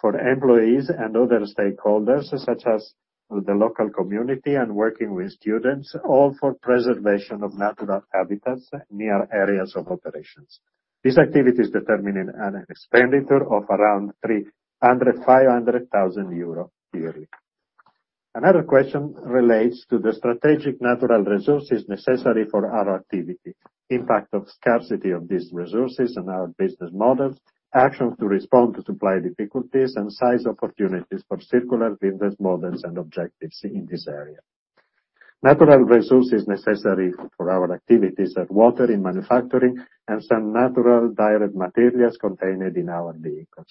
for employees and other stakeholders, such as the local community and working with students, all for preservation of natural habitats near areas of operations. These activities determine an expenditure of around 300,000-500,000 euro yearly. Another question relates to the strategic natural resources necessary for our activity, impact of scarcity of these resources on our business models, actions to respond to supply difficulties and seize opportunities for circular business models and objectives in this area. Natural resources necessary for our activities are water in manufacturing and some natural derived materials contained in our vehicles.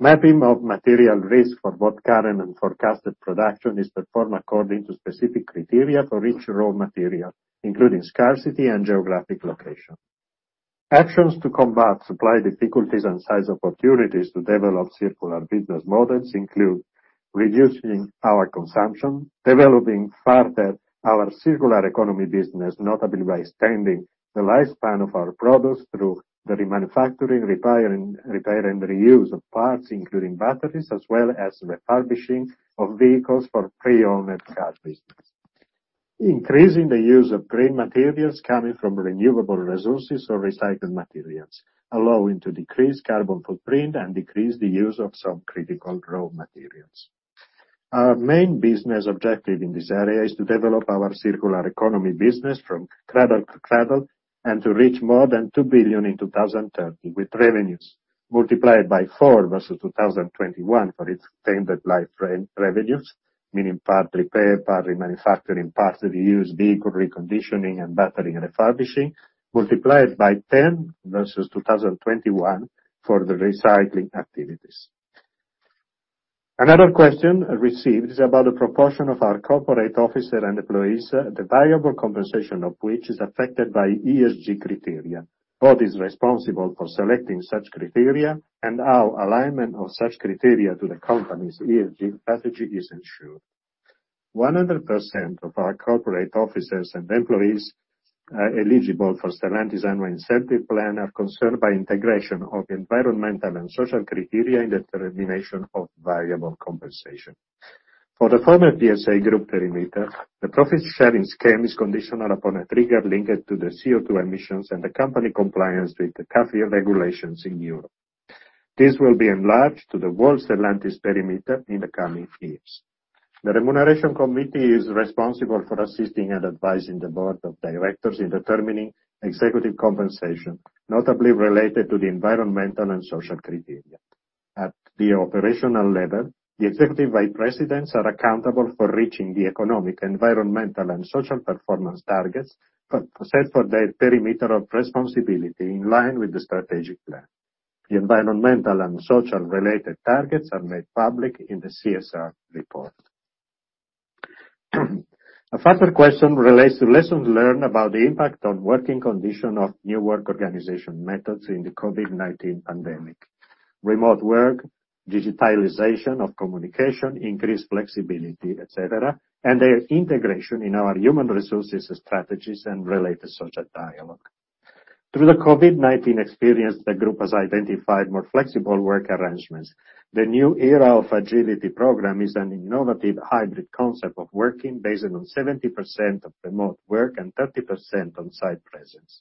Mapping of material risk for both current and forecasted production is performed according to specific criteria for each raw material, including scarcity and geographic location. Actions to combat supply difficulties and size opportunities to develop circular business models include reducing our consumption, developing further our circular economy business, notably by extending the lifespan of our products through the remanufacturing, repairing, repair and reuse of parts, including batteries, as well as refurbishing of vehicles for pre-owned car business. Increasing the use of green materials coming from renewable resources or recycled materials, allowing to decrease carbon footprint and decrease the use of some critical raw materials. Our main business objective in this area is to develop our circular economy business from cradle to cradle and to reach more than 2 billion in 2030. With revenues multiplied by 4 versus 2021 for extended life revenues, meaning part repair, part remanufacturing, parts reuse, vehicle reconditioning and battery refurbishing, multiplied by 10 versus 2021 for the recycling activities. Another question received is about the proportion of our corporate officers and employees, the variable compensation of which is affected by ESG criteria. The Board is responsible for selecting such criteria and our alignment of such criteria to the company's ESG strategy is ensured. 100% of our corporate officers and employees eligible for Stellantis annual incentive plan are concerned by integration of environmental and social criteria in the determination of variable compensation. For the former PSA Group perimeter, the profit-sharing scheme is conditional upon a trigger linked to the CO2 emissions and the company compliance with the CAFE regulations in Europe. This will be enlarged to the whole Stellantis perimeter in the coming years. The Remuneration Committee is responsible for assisting and advising the Board of Directors in determining executive compensation, notably related to the environmental and social criteria. At the operational level, the executive vice presidents are accountable for reaching the economic, environmental and social performance targets preset for their perimeter of responsibility in line with the strategic plan. The environmental and social related targets are made public in the CSR report. A further question relates to lessons learned about the impact on working condition of new work organization methods in the COVID-19 pandemic. Remote work, digitalization of communication, increased flexibility, et cetera and their integration in our human resources strategies and related social dialogue. Through the COVID-19 experience, the group has identified more flexible work arrangements. The New Era of Agility program is an innovative hybrid concept of working based on 70% of remote work and 30% on-site presence.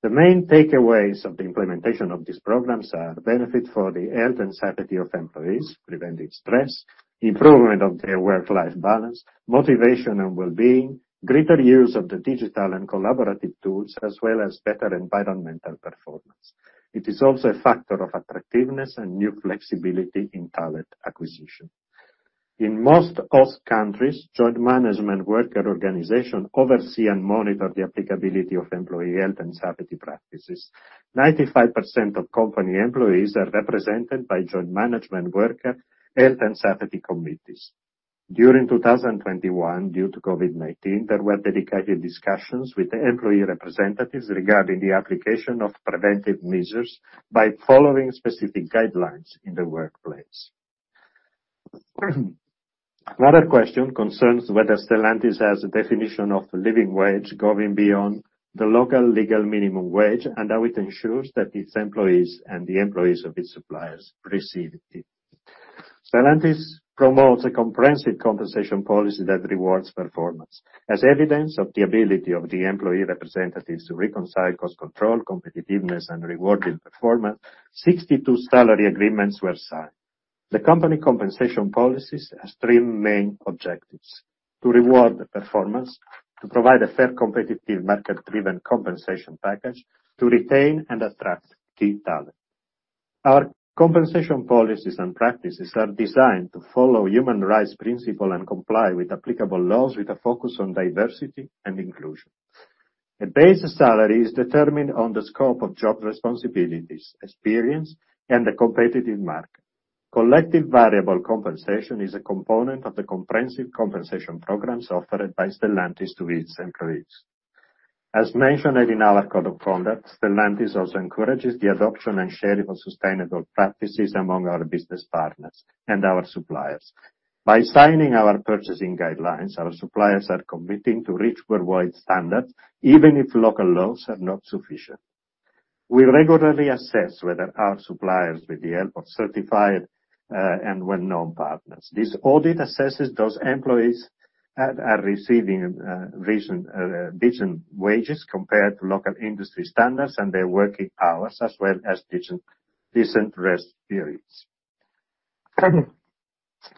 The main takeaways of the implementation of these programs are benefit for the health and safety of employees, preventing stress, improvement of their work-life balance, motivation and wellbeing, greater use of the digital and collaborative tools, as well as better environmental performance. It is also a factor of attractiveness and new flexibility in talent acquisition. In most host countries, joint management worker organizations oversee and monitor the applicability of employee health and safety practices. 95% of company employees are represented by joint management worker health and safety committees. During 2021, due to COVID-19, there were dedicated discussions with the employee representatives regarding the application of preventive measures by following specific guidelines in the workplace. Another question concerns whether Stellantis has a definition of living wage going beyond the local legal minimum wage and how it ensures that its employees and the employees of its suppliers receive it. Stellantis promotes a comprehensive compensation policy that rewards performance. As evidence of the ability of the employee representatives to reconcile cost control, competitiveness and rewarding performance, 62 salary agreements were signed. The company compensation policies has three main objectives to reward the performance, to provide a fair, competitive, market-driven compensation package to retain and attract key talent. Our compensation policies and practices are designed to follow human rights principle and comply with applicable laws with a focus on diversity and inclusion. A base salary is determined on the scope of job responsibilities, experience and the competitive market. Collective variable compensation is a component of the comprehensive compensation programs offered by Stellantis to its employees. As mentioned in our code of conduct, Stellantis also encourages the adoption and sharing of sustainable practices among our business partners and our suppliers. By signing our purchasing guidelines, our suppliers are committing to reach worldwide standards, even if local laws are not sufficient. We regularly assess whether our suppliers, with the help of certified and well-known partners. This audit assesses whether those employees are receiving decent wages compared to local industry standards and their working hours, as well as decent rest periods.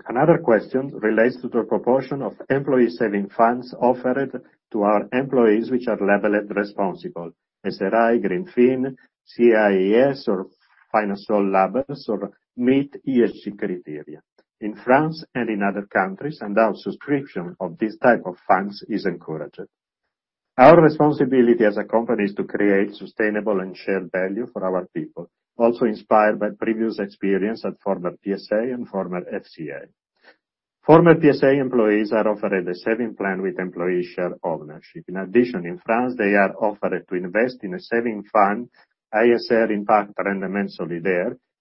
Another question relates to the proportion of employee saving funds offered to our employees which are labeled responsible SRI, Greenfin, CIES or Finansol labels or meet ESG criteria. In France and in other countries, our subscription of these type of funds is encouraged. Our responsibility as a company is to create sustainable and shared value for our people, also inspired by previous experience at former PSA and former FCA. Former PSA employees are offered a saving plan with employee share ownership. In addition, in France, they are offered to invest in a saving fund, Impact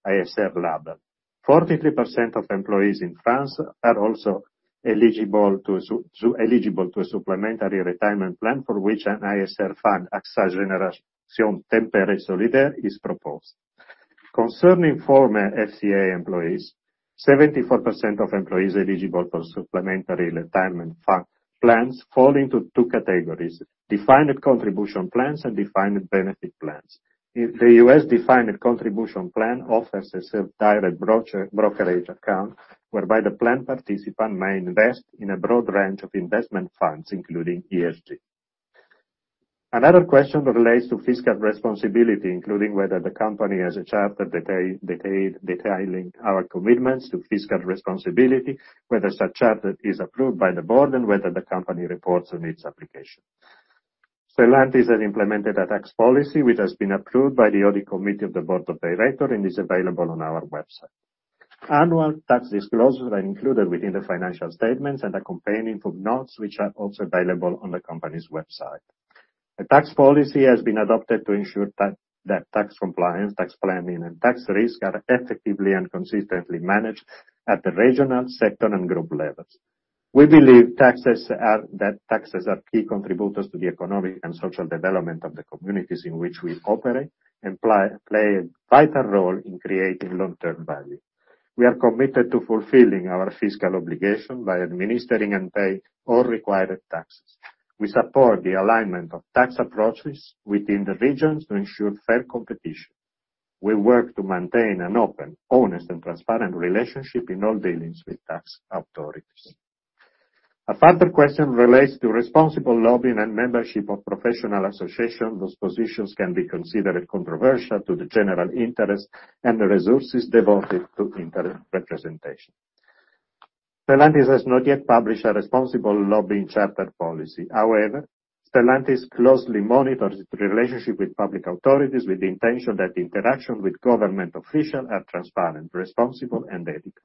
ISR Rendement Solidaire, Label ISR. 43% of employees in France are also eligible to a supplementary retirement plan for which an ISR fund, AXA Génération Tempéré Solidaire, is proposed. Concerning former FCA employees, 74% of employees eligible for supplementary retirement fund plans fall into two categories: defined contribution plans and defined benefit plans. In the U.S., defined contribution plan offers a self-directed brokerage account, whereby the plan participant may invest in a broad range of investment funds, including ESG. Another question relates to fiscal responsibility, including whether the company has a charter detailing our commitments to fiscal responsibility, whether such charter is approved by the board and whether the company reports on its application. Stellantis has implemented a tax policy which has been approved by the Audit Committee of the Board of Directors and is available on our website. Annual tax disclosures are included within the financial statements and accompanying footnotes, which are also available on the company's website. A tax policy has been adopted to ensure that tax compliance, tax planning and tax risk are effectively and consistently managed at the regional, sector and group levels. We believe that taxes are key contributors to the economic and social development of the communities in which we operate and play a vital role in creating long-term value. We are committed to fulfilling our fiscal obligation by administering and paying all required taxes. We support the alignment of tax approaches within the regions to ensure fair competition. We work to maintain an open, honest and transparent relationship in all dealings with tax authorities. A further question relates to responsible lobbying and membership of professional association; those positions can be considered controversial to the general interest and the resources devoted to interest representation. Stellantis has not yet published a responsible lobbying charter policy. However, Stellantis closely monitors its relationship with public authorities with the intention that interaction with government officials are transparent, responsible and ethical.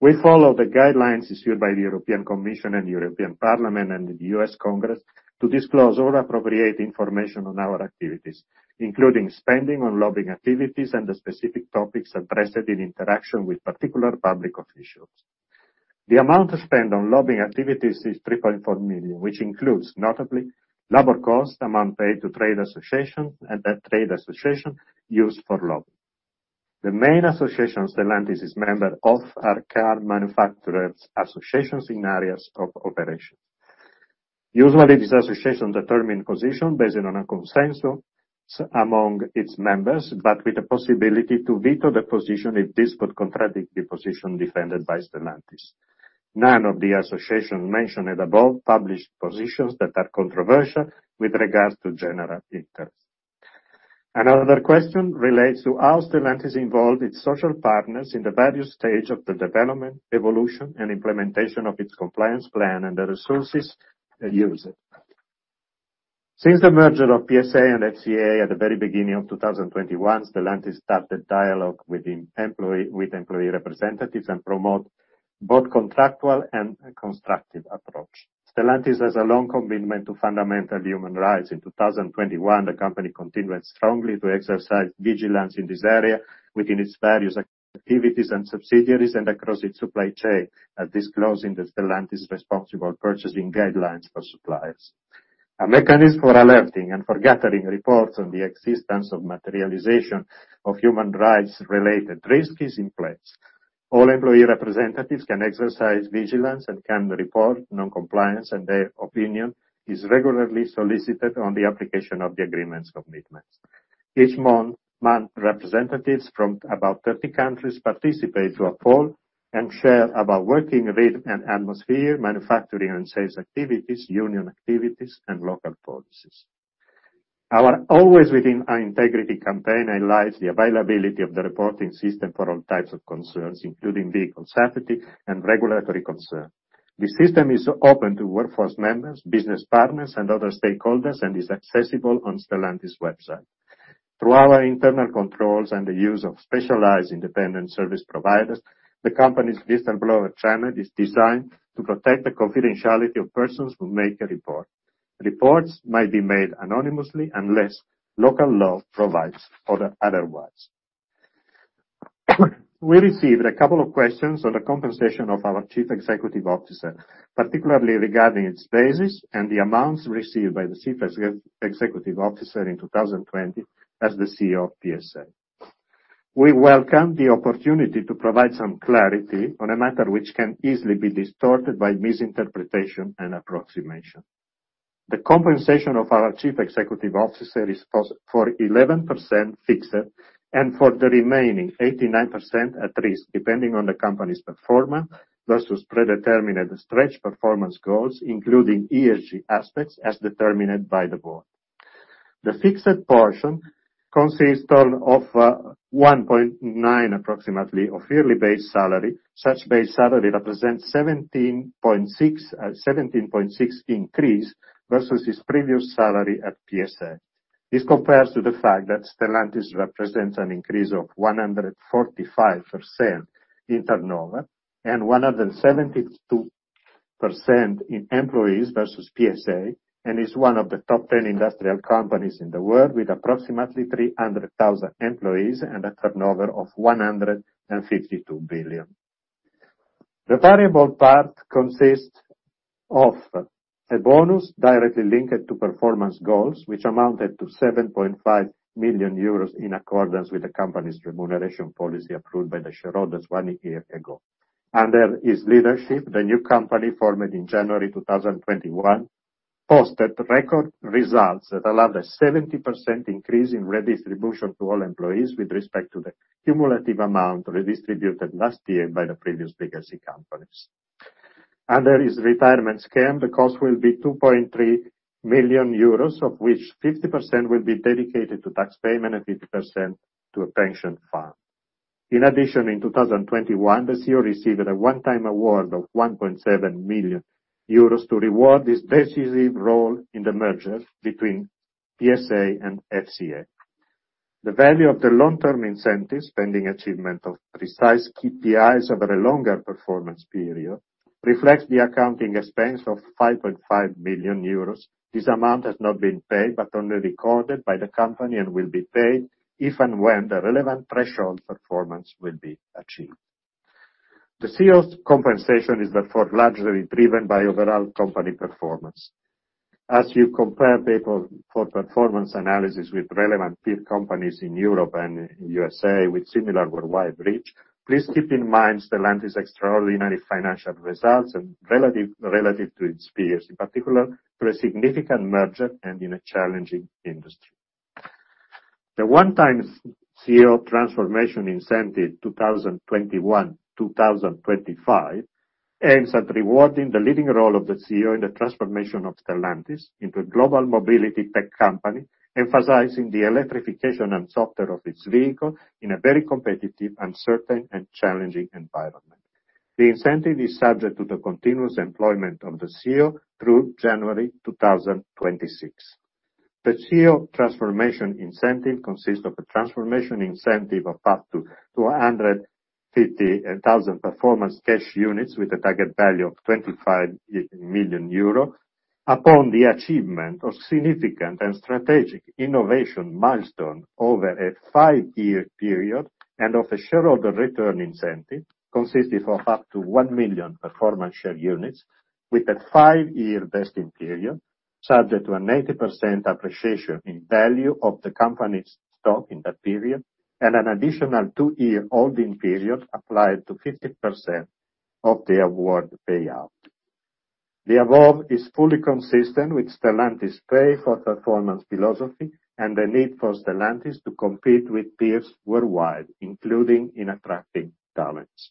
We follow the guidelines issued by the European Commission and European Parliament and the U.S. Congress to disclose all appropriate information on our activities, including spending on lobbying activities and the specific topics addressed in interaction with particular public officials. The amount spent on lobbying activities is 3.4 million, which includes notably labor cost, amount paid to trade association and that trade association used for lobbying. The main associations Stellantis is member of are car manufacturers associations in areas of operations. Usually, these associations determine position based on a consensus among its member but with the possibility to veto the position if this could contradict the position defended by Stellantis. None of the associations mentioned above publish positions that are controversial with regards to general interest. Another question relates to how Stellantis involved its social partners in the various stage of the development, evolution and implementation of its compliance plan and the resources they use it. Since the merger of PSA and FCA at the very beginning of 2021, Stellantis started dialogue with employee representatives and promote both contractual and constructive approach. Stellantis has a long commitment to fundamental human rights. In 2021, the company continued strongly to exercise vigilance in this area within its various activities and subsidiaries and across its supply chain, disclosing the Stellantis responsible purchasing guidelines for suppliers. A mechanism for alerting and for gathering reports on the existence of materialization of human rights-related risk is in place. All employee representatives can exercise vigilance and can report non-compliance and their opinion is regularly solicited on the application of the agreements commitments. Each month, representatives from about 30 countries participate to a poll and share about working rate and atmosphere, manufacturing and sales activities, union activities and local policies. Our Always Act with Integrity campaign highlights the availability of the reporting system for all types of concerns, including vehicle safety and regulatory concern. This system is open to workforce members, business partners and other stakeholders and is accessible on Stellantis website. Through our internal controls and the use of specialized independent service providers, the company's whistleblower channel is designed to protect the confidentiality of persons who make a report. Reports might be made anonymously unless local law provides otherwise. We received a couple of questions on the compensation of our Chief Executive Officer, particularly regarding its basis and the amounts received by the Chief Executive Officer in 2020 as the CEO of PSA. We welcome the opportunity to provide some clarity on a matter which can easily be distorted by misinterpretation and approximation. The compensation of our Chief Executive Officer is 11% fixed and the remaining 89% at risk, depending on the company's performance versus predetermined stretch performance goals, including ESG aspects, as determined by the board. The fixed portion consists of approximately 1.9 of yearly base salary. Such base salary represents 17.6% increase versus his previous salary at PSA. This compares to the fact that Stellantis represents an increase of 145% in turnover and 172% in employees versus PSA and is one of the top 10 industrial companies in the world with approximately 300,000 employees and a turnover of 152 billion. The variable part consists of a bonus directly linked to performance goals, which amounted to 7.5 million euros in accordance with the company's remuneration policy approved by the shareholders one year ago. Under his leadership, the new company, formed in January 2021, posted record results that allowed a 70% increase in redistribution to all employees with respect to the cumulative amount redistributed last year by the previous legacy companies. Under his retirement scheme, the cost will be 2.3 million euros, of which 50% will be dedicated to tax payment and 50% to a pension fund. In addition, in 2021, the CEO received a one-time award of 1.7 million euros to reward his decisive role in the merger between PSA and FCA. The value of the long-term incentive, pending achievement of precise KPIs over a longer performance period, reflects the accounting expense of 5.5 million euros. This amount has not been paid but only recorded by the company and will be paid if and when the relevant threshold performance will be achieved. The CEO's compensation is therefore largely driven by overall company performance. As you compare pay for performance analysis with relevant peer companies in Europe and USA with similar worldwide reach, please keep in mind Stellantis' extraordinary financial results and relative to its peers, in particular to a significant merger and in a challenging industry. The one-time CEO transformation incentive 2021-2025 aims at rewarding the leading role of the CEO in the transformation of Stellantis into a global mobility tech company, emphasizing the electrification and software of its vehicle in a very competitive, uncertain and challenging environment. The incentive is subject to the continuous employment of the CEO through January 2026. The CEO transformation incentive consists of a transformation incentive of up to 250,000 performance cash units with a target value of 25 million euro upon the achievement of significant and strategic innovation milestone over a five-year period and of a shareholder return incentive consisting of up to 1 million performance share units with a five-year vesting period, subject to an 80% appreciation in value of the company's stock in that period and an additional two-year holding period applied to 50% of the award payout. The above is fully consistent with Stellantis' pay for performance philosophy and the need for Stellantis to compete with peers worldwide, including in attracting talents.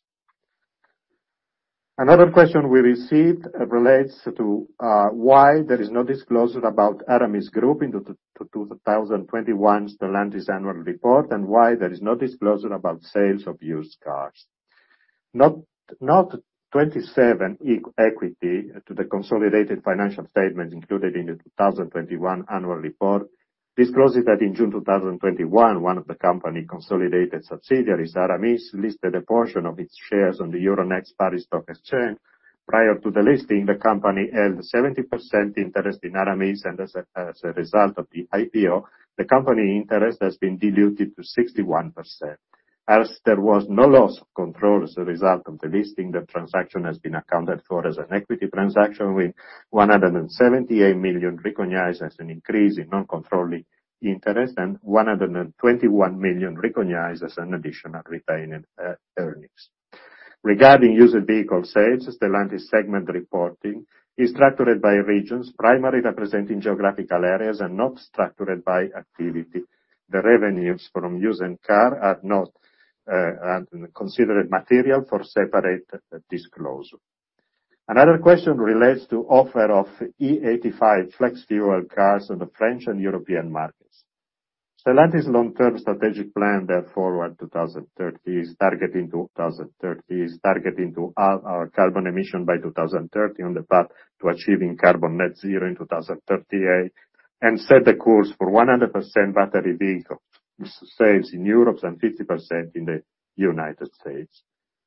Another question we received relates to why there is no disclosure about Aramis Group in the 2021 Stellantis annual report and why there is no disclosure about sales of used cars. Note 27 equity to the consolidated financial statement included in the 2021 annual report discloses that in June 2021, one of the company consolidated subsidiaries, Aramis, listed a portion of its shares on the Euronext Paris stock exchange. Prior to the listing, the company held 70% interest in Aramis and as a result of the IPO, the company interest has been diluted to 61%. As there was no loss of control as a result of the listing, the transaction has been accounted for as an equity transaction, with 178 million recognized as an increase in non-controlling interest and 121 million recognized as an additional retained earnings. Regarding used vehicle sales, Stellantis' segment reporting is structured by regions primarily representing geographical areas and not structured by activity. The revenues from used cars are not considered material for separate disclosure. Another question relates to offer of E85 flex fuel cars in the French and European markets. Stellantis' long-term strategic plan, Dare Forward 2030, is targeting to halve our carbon emissions by 2030 on the path to achieving carbon net zero in 2038 and set the course for 100% battery vehicle sales in Europe and 50% in the United States.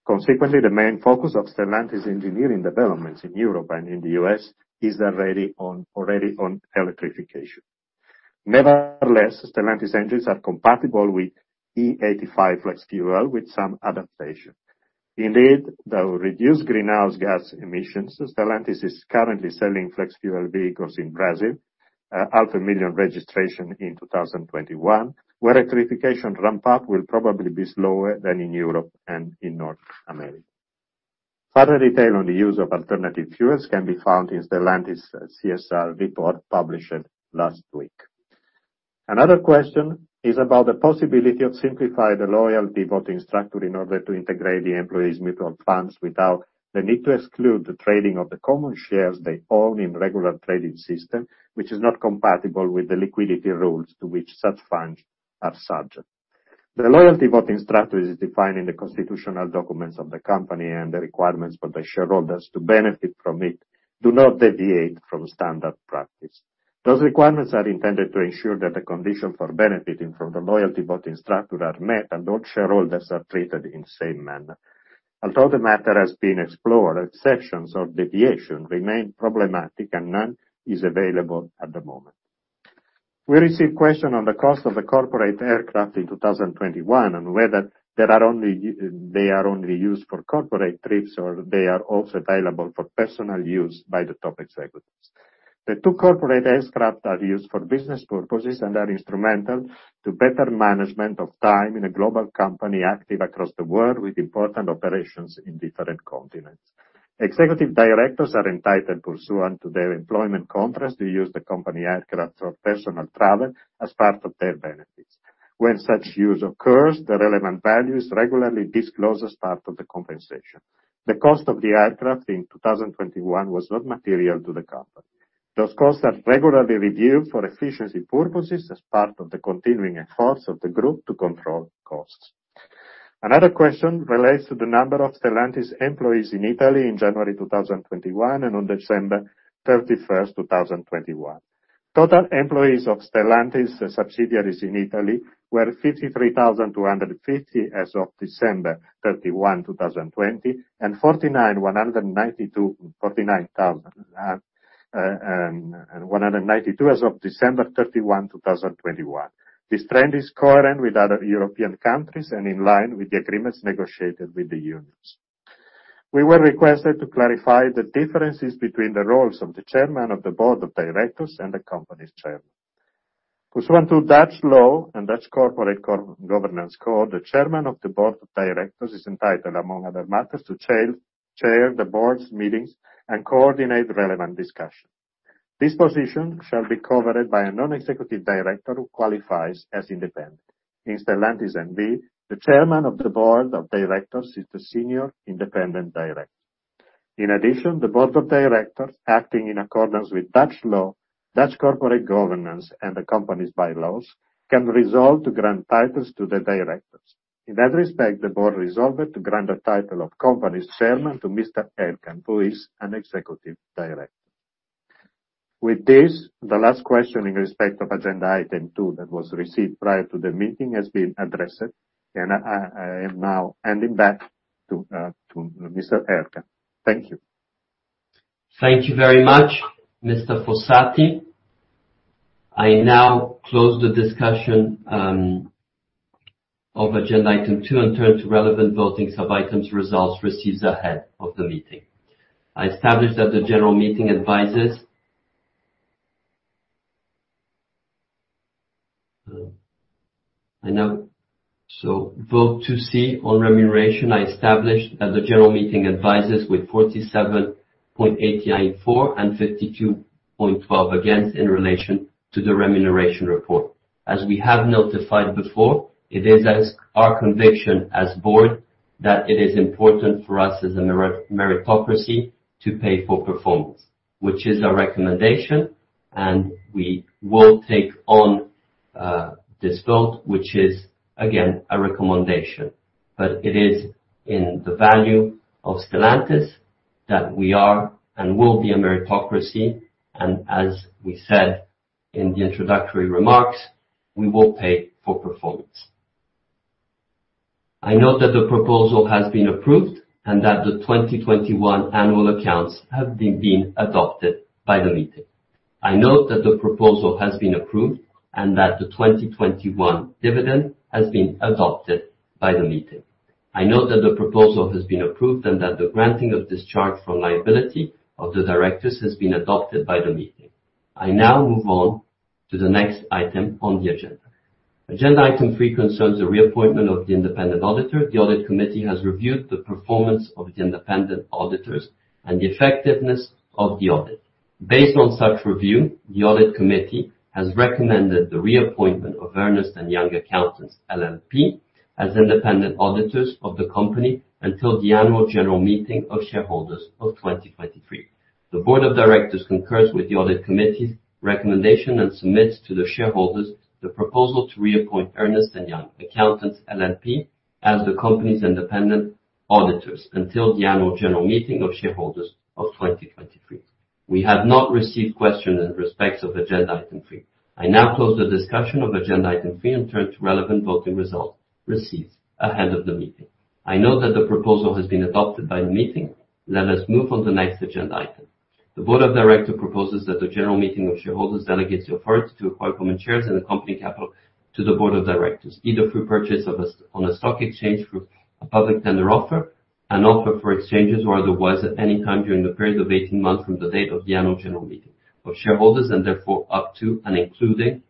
Consequently, the main focus of Stellantis engineering developments in Europe and in the U.S. is already on electrification. Nevertheless, Stellantis engines are compatible with E85 flex fuel with some adaptation. Indeed, they will reduce greenhouse gas emissions as Stellantis is currently selling flex fuel vehicles in Brazil, 500,000 registrations in 2021, where electrification ramp-up will probably be slower than in Europe and in North America. Further detail on the use of alternative fuels can be found in Stellantis' CSR report published last week. Another question is about the possibility of simplifying the loyalty voting structure in order to integrate the employees' mutual funds without the need to exclude the trading of the common shares they own in the regular trading system, which is not compatible with the liquidity rules to which such funds are subject. The loyalty voting structure is defined in the constitutional documents of the company and the requirements for the shareholders to benefit from it do not deviate from standard practice. Those requirements are intended to ensure that the conditions for benefiting from the loyalty voting structure are met and all shareholders are treated in the same manner. Although the matter has been explored, exceptions or deviations remain problematic and none is available at the moment. We received a question on the cost of the corporate aircraft in 2021 and whether they are only used for corporate trips or they are also available for personal use by the top executives. The two corporate aircraft are used for business purposes and are instrumental to better management of time in a global company active across the world with important operations in different continents. Executive directors are entitled, pursuant to their employment contracts, to use the company aircraft for personal travel as part of their benefits. When such use occurs, the relevant value is regularly disclosed as part of the compensation. The cost of the aircraft in 2021 was not material to the company. Those costs are regularly reviewed for efficiency purposes as part of the continuing efforts of the group to control costs. Another question relates to the number of Stellantis employees in Italy in January 2021 and on 31 December 2021. Total employees of Stellantis subsidiaries in Italy were 53,250 as of 31 December 2020 and 49,192 as of 31 December 2021. This trend is current with other European countries and in line with the agreements negotiated with the unions. We were requested to clarify the differences between the roles of the Chairman of the Board of Directors and the company's Chairman. Pursuant to Dutch law and Dutch Corporate Governance Code, the Chairman of the Board of Directors is entitled, among other matters, to chair the board meetings and coordinate relevant discussion. This position shall be covered by a non-executive director who qualifies as independent. In Stellantis N.V., the chairman of the board of directors is the senior independent director. In addition, the board of directors, acting in accordance with Dutch law, Dutch corporate governance and the company's bylaws, can resolve to grant titles to the directors. In that respect, the board resolved to grant the title of company's chairman to Mr. Elkann, who is an executive director. With this, the last question in respect of agenda item two that was received prior to the meeting has been addressed. I am now handing back to Mr. Elkann. Thank you. Thank you very much, Mr. Fossati. I now close the discussion of agenda item two and turn to relevant voting sub-items results received ahead of the meeting. I establish that the general meeting advises with 47.894 and 52.12 against in relation to the remuneration report. As we have notified before, it is our conviction as board that it is important for us as a meritocracy to pay for performance. Which is our recommendation and we will take on this vote, which is, again, a recommendation. It is in the value of Stellantis that we are and will be a meritocracy and as we said in the introductory remarks, we will pay for performance. I note that the proposal has been approved and that the 2021 annual accounts have been adopted by the meeting. I note that the proposal has been approved and that the 2021 dividend has been adopted by the meeting. I note that the proposal has been approved and that the granting of discharge from liability of the directors has been adopted by the meeting. I now move on to the next item on the agenda. Agenda item three concerns the reappointment of the independent auditor. The audit committee has reviewed the performance of the independent auditors and the effectiveness of the audit. Based on such review, the audit committee has recommended the reappointment of Ernst & Young Accountants LLP as independent auditors of the company until the annual general meeting of shareholders of 2023. The board of directors concurs with the audit committee's recommendation and submits to the shareholders the proposal to reappoint Ernst & Young Accountants LLP as the company's independent auditors until the annual general meeting of shareholders of 2023. We have not received questions in respect of agenda item three. I now close the discussion of agenda item three and turn to the relevant voting results received ahead of the meeting. I note that the proposal has been adopted by the meeting. Let us move on to the next agenda item. The board of directors proposes that the general meeting of shareholders delegates the authority to acquire common shares in the company capital to the board of directors, either through purchase on a stock exchange through a public tender offer. An offer for exchanges or otherwise at any time during the period of 18 months from the date of the annual general meeting of shareholders and therefore up to and including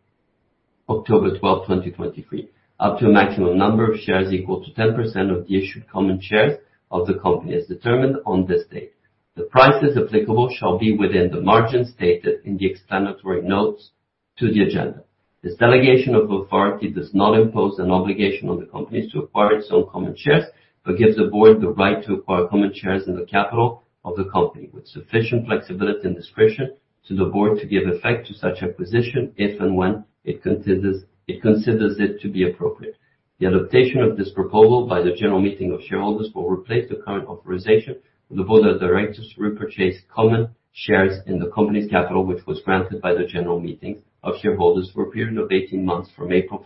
12 October 2023, up to a maximum number of shares equal to 10% of the issued common shares of the company, as determined on this date. The prices applicable shall be within the margins stated in the explanatory notes to the agenda. This delegation of authority does not impose an obligation on the companies to acquire its own common shares but gives the board the right to acquire common shares in the capital of the company with sufficient flexibility and discretion to the board to give effect to such acquisition if and when it considers it to be appropriate. The adaptation of this proposal by the general meeting of shareholders will replace the current authorization for the board of directors to repurchase common shares in the company's capital, which was granted by the general meetings of shareholders for a period of 18 months from 15 April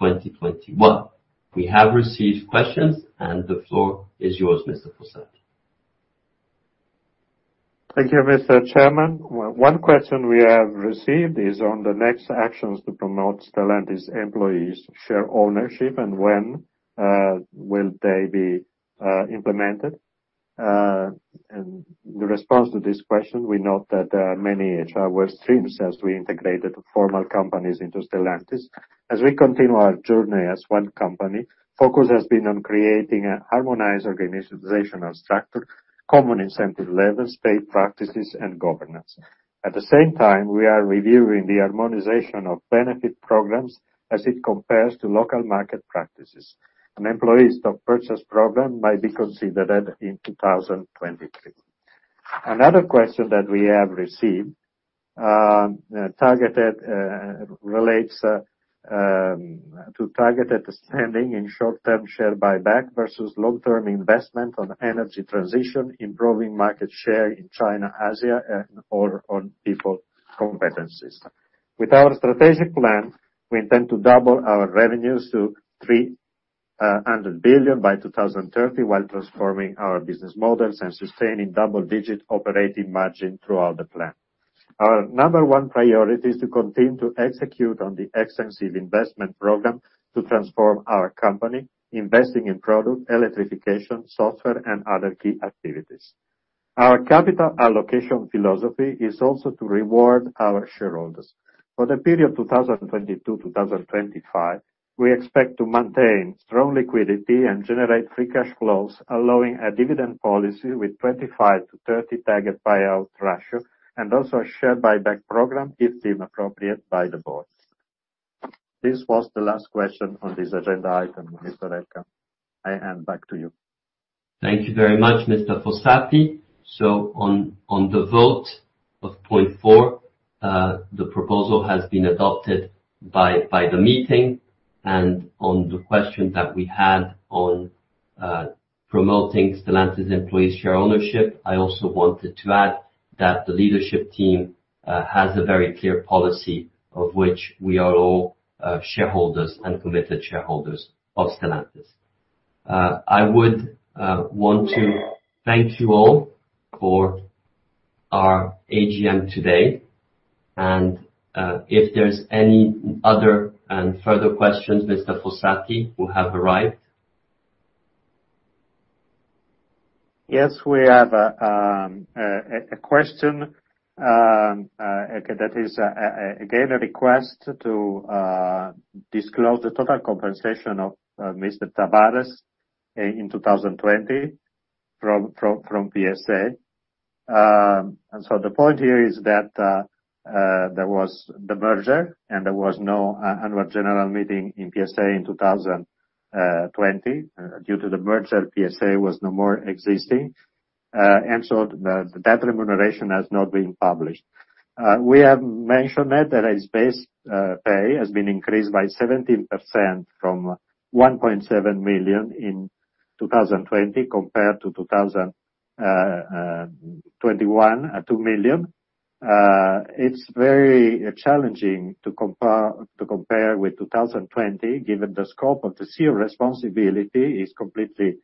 2021. We have received questions and the floor is yours, Mr. Fossati. Thank you, Mr. Chairman. One question we have received is on the next actions to promote Stellantis employees' share ownership and when will they be implemented. The response to this question, we note that there are many HR work streams as we integrated former companies into Stellantis. As we continue our journey as one company, focus has been on creating a harmonized organizational structure, common incentive levels, pay practices and governance. At the same time, we are reviewing the harmonization of benefit programs as it compares to local market practices. An employee stock purchase program might be considered in 2023. Another question that we have received relates to targeted spending in short-term share buyback versus long-term investment on energy transition, improving market share in China, Asia and/or on people competencies. With our strategic plan, we intend to double our revenues to 300 billion by 2030 while transforming our business models and sustaining double-digit operating margin throughout the plan. Our number one priority is to continue to execute on the extensive investment program to transform our company, investing in product, electrification, software and other key activities. Our capital allocation philosophy is also to reward our shareholders. For the period 2022-2025, we expect to maintain strong liquidity and generate free cash flows, allowing a dividend policy with 25%-30% targeted payout ratio and also a share buyback program, if deemed appropriate by the board. This was the last question on this agenda item, Mr. Elkann. I hand back to you. Thank you very much, Mr. Fossati. On the vote of point 4, the proposal has been adopted by the meeting. On the question that we had on promoting Stellantis employees' share ownership, I also wanted to add that the leadership team has a very clear policy of which we are all shareholders and committed shareholders of Stellantis. I would want to thank you all for our AGM today. If there's any other and further questions, Mr. Fossati will have arrived. Yes, we have a question, okay, that is again a request to disclose the total compensation of Mr. Tavares in 2020 from PSA. The point here is that there was the merger and there was no annual general meeting in PSA in 2020. Due to the merger, PSA was no more existing. The deferred remuneration has not been published. We have mentioned that his base pay has been increased by 17% from 1.7 million in 2020 compared to 2021 at 2 million. It's very challenging to compare with 2020, given the scope of the CEO responsibility is completely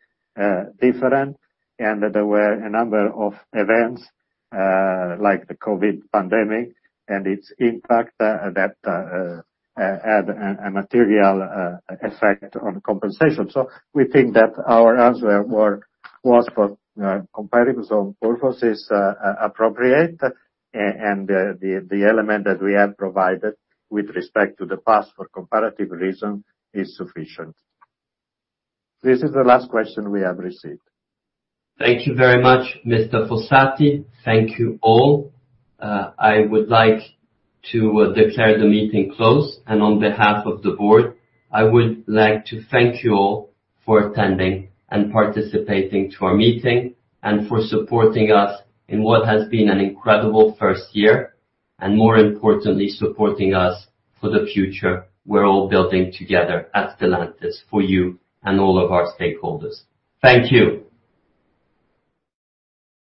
different and there were a number of events like the COVID pandemic and its impact that had a material effect on compensation. We think that our answer was for comparison purposes appropriate. The element that we have provided with respect to the past for comparative reason is sufficient. This is the last question we have received. Thank you very much, Mr. Fossati. Thank you all. I would like to declare the meeting closed. On behalf of the board, I would like to thank you all for attending and participating to our meeting and for supporting us in what has been an incredible first year and more importantly, supporting us for the future we're all building together at Stellantis for you and all of our stakeholders. Thank you.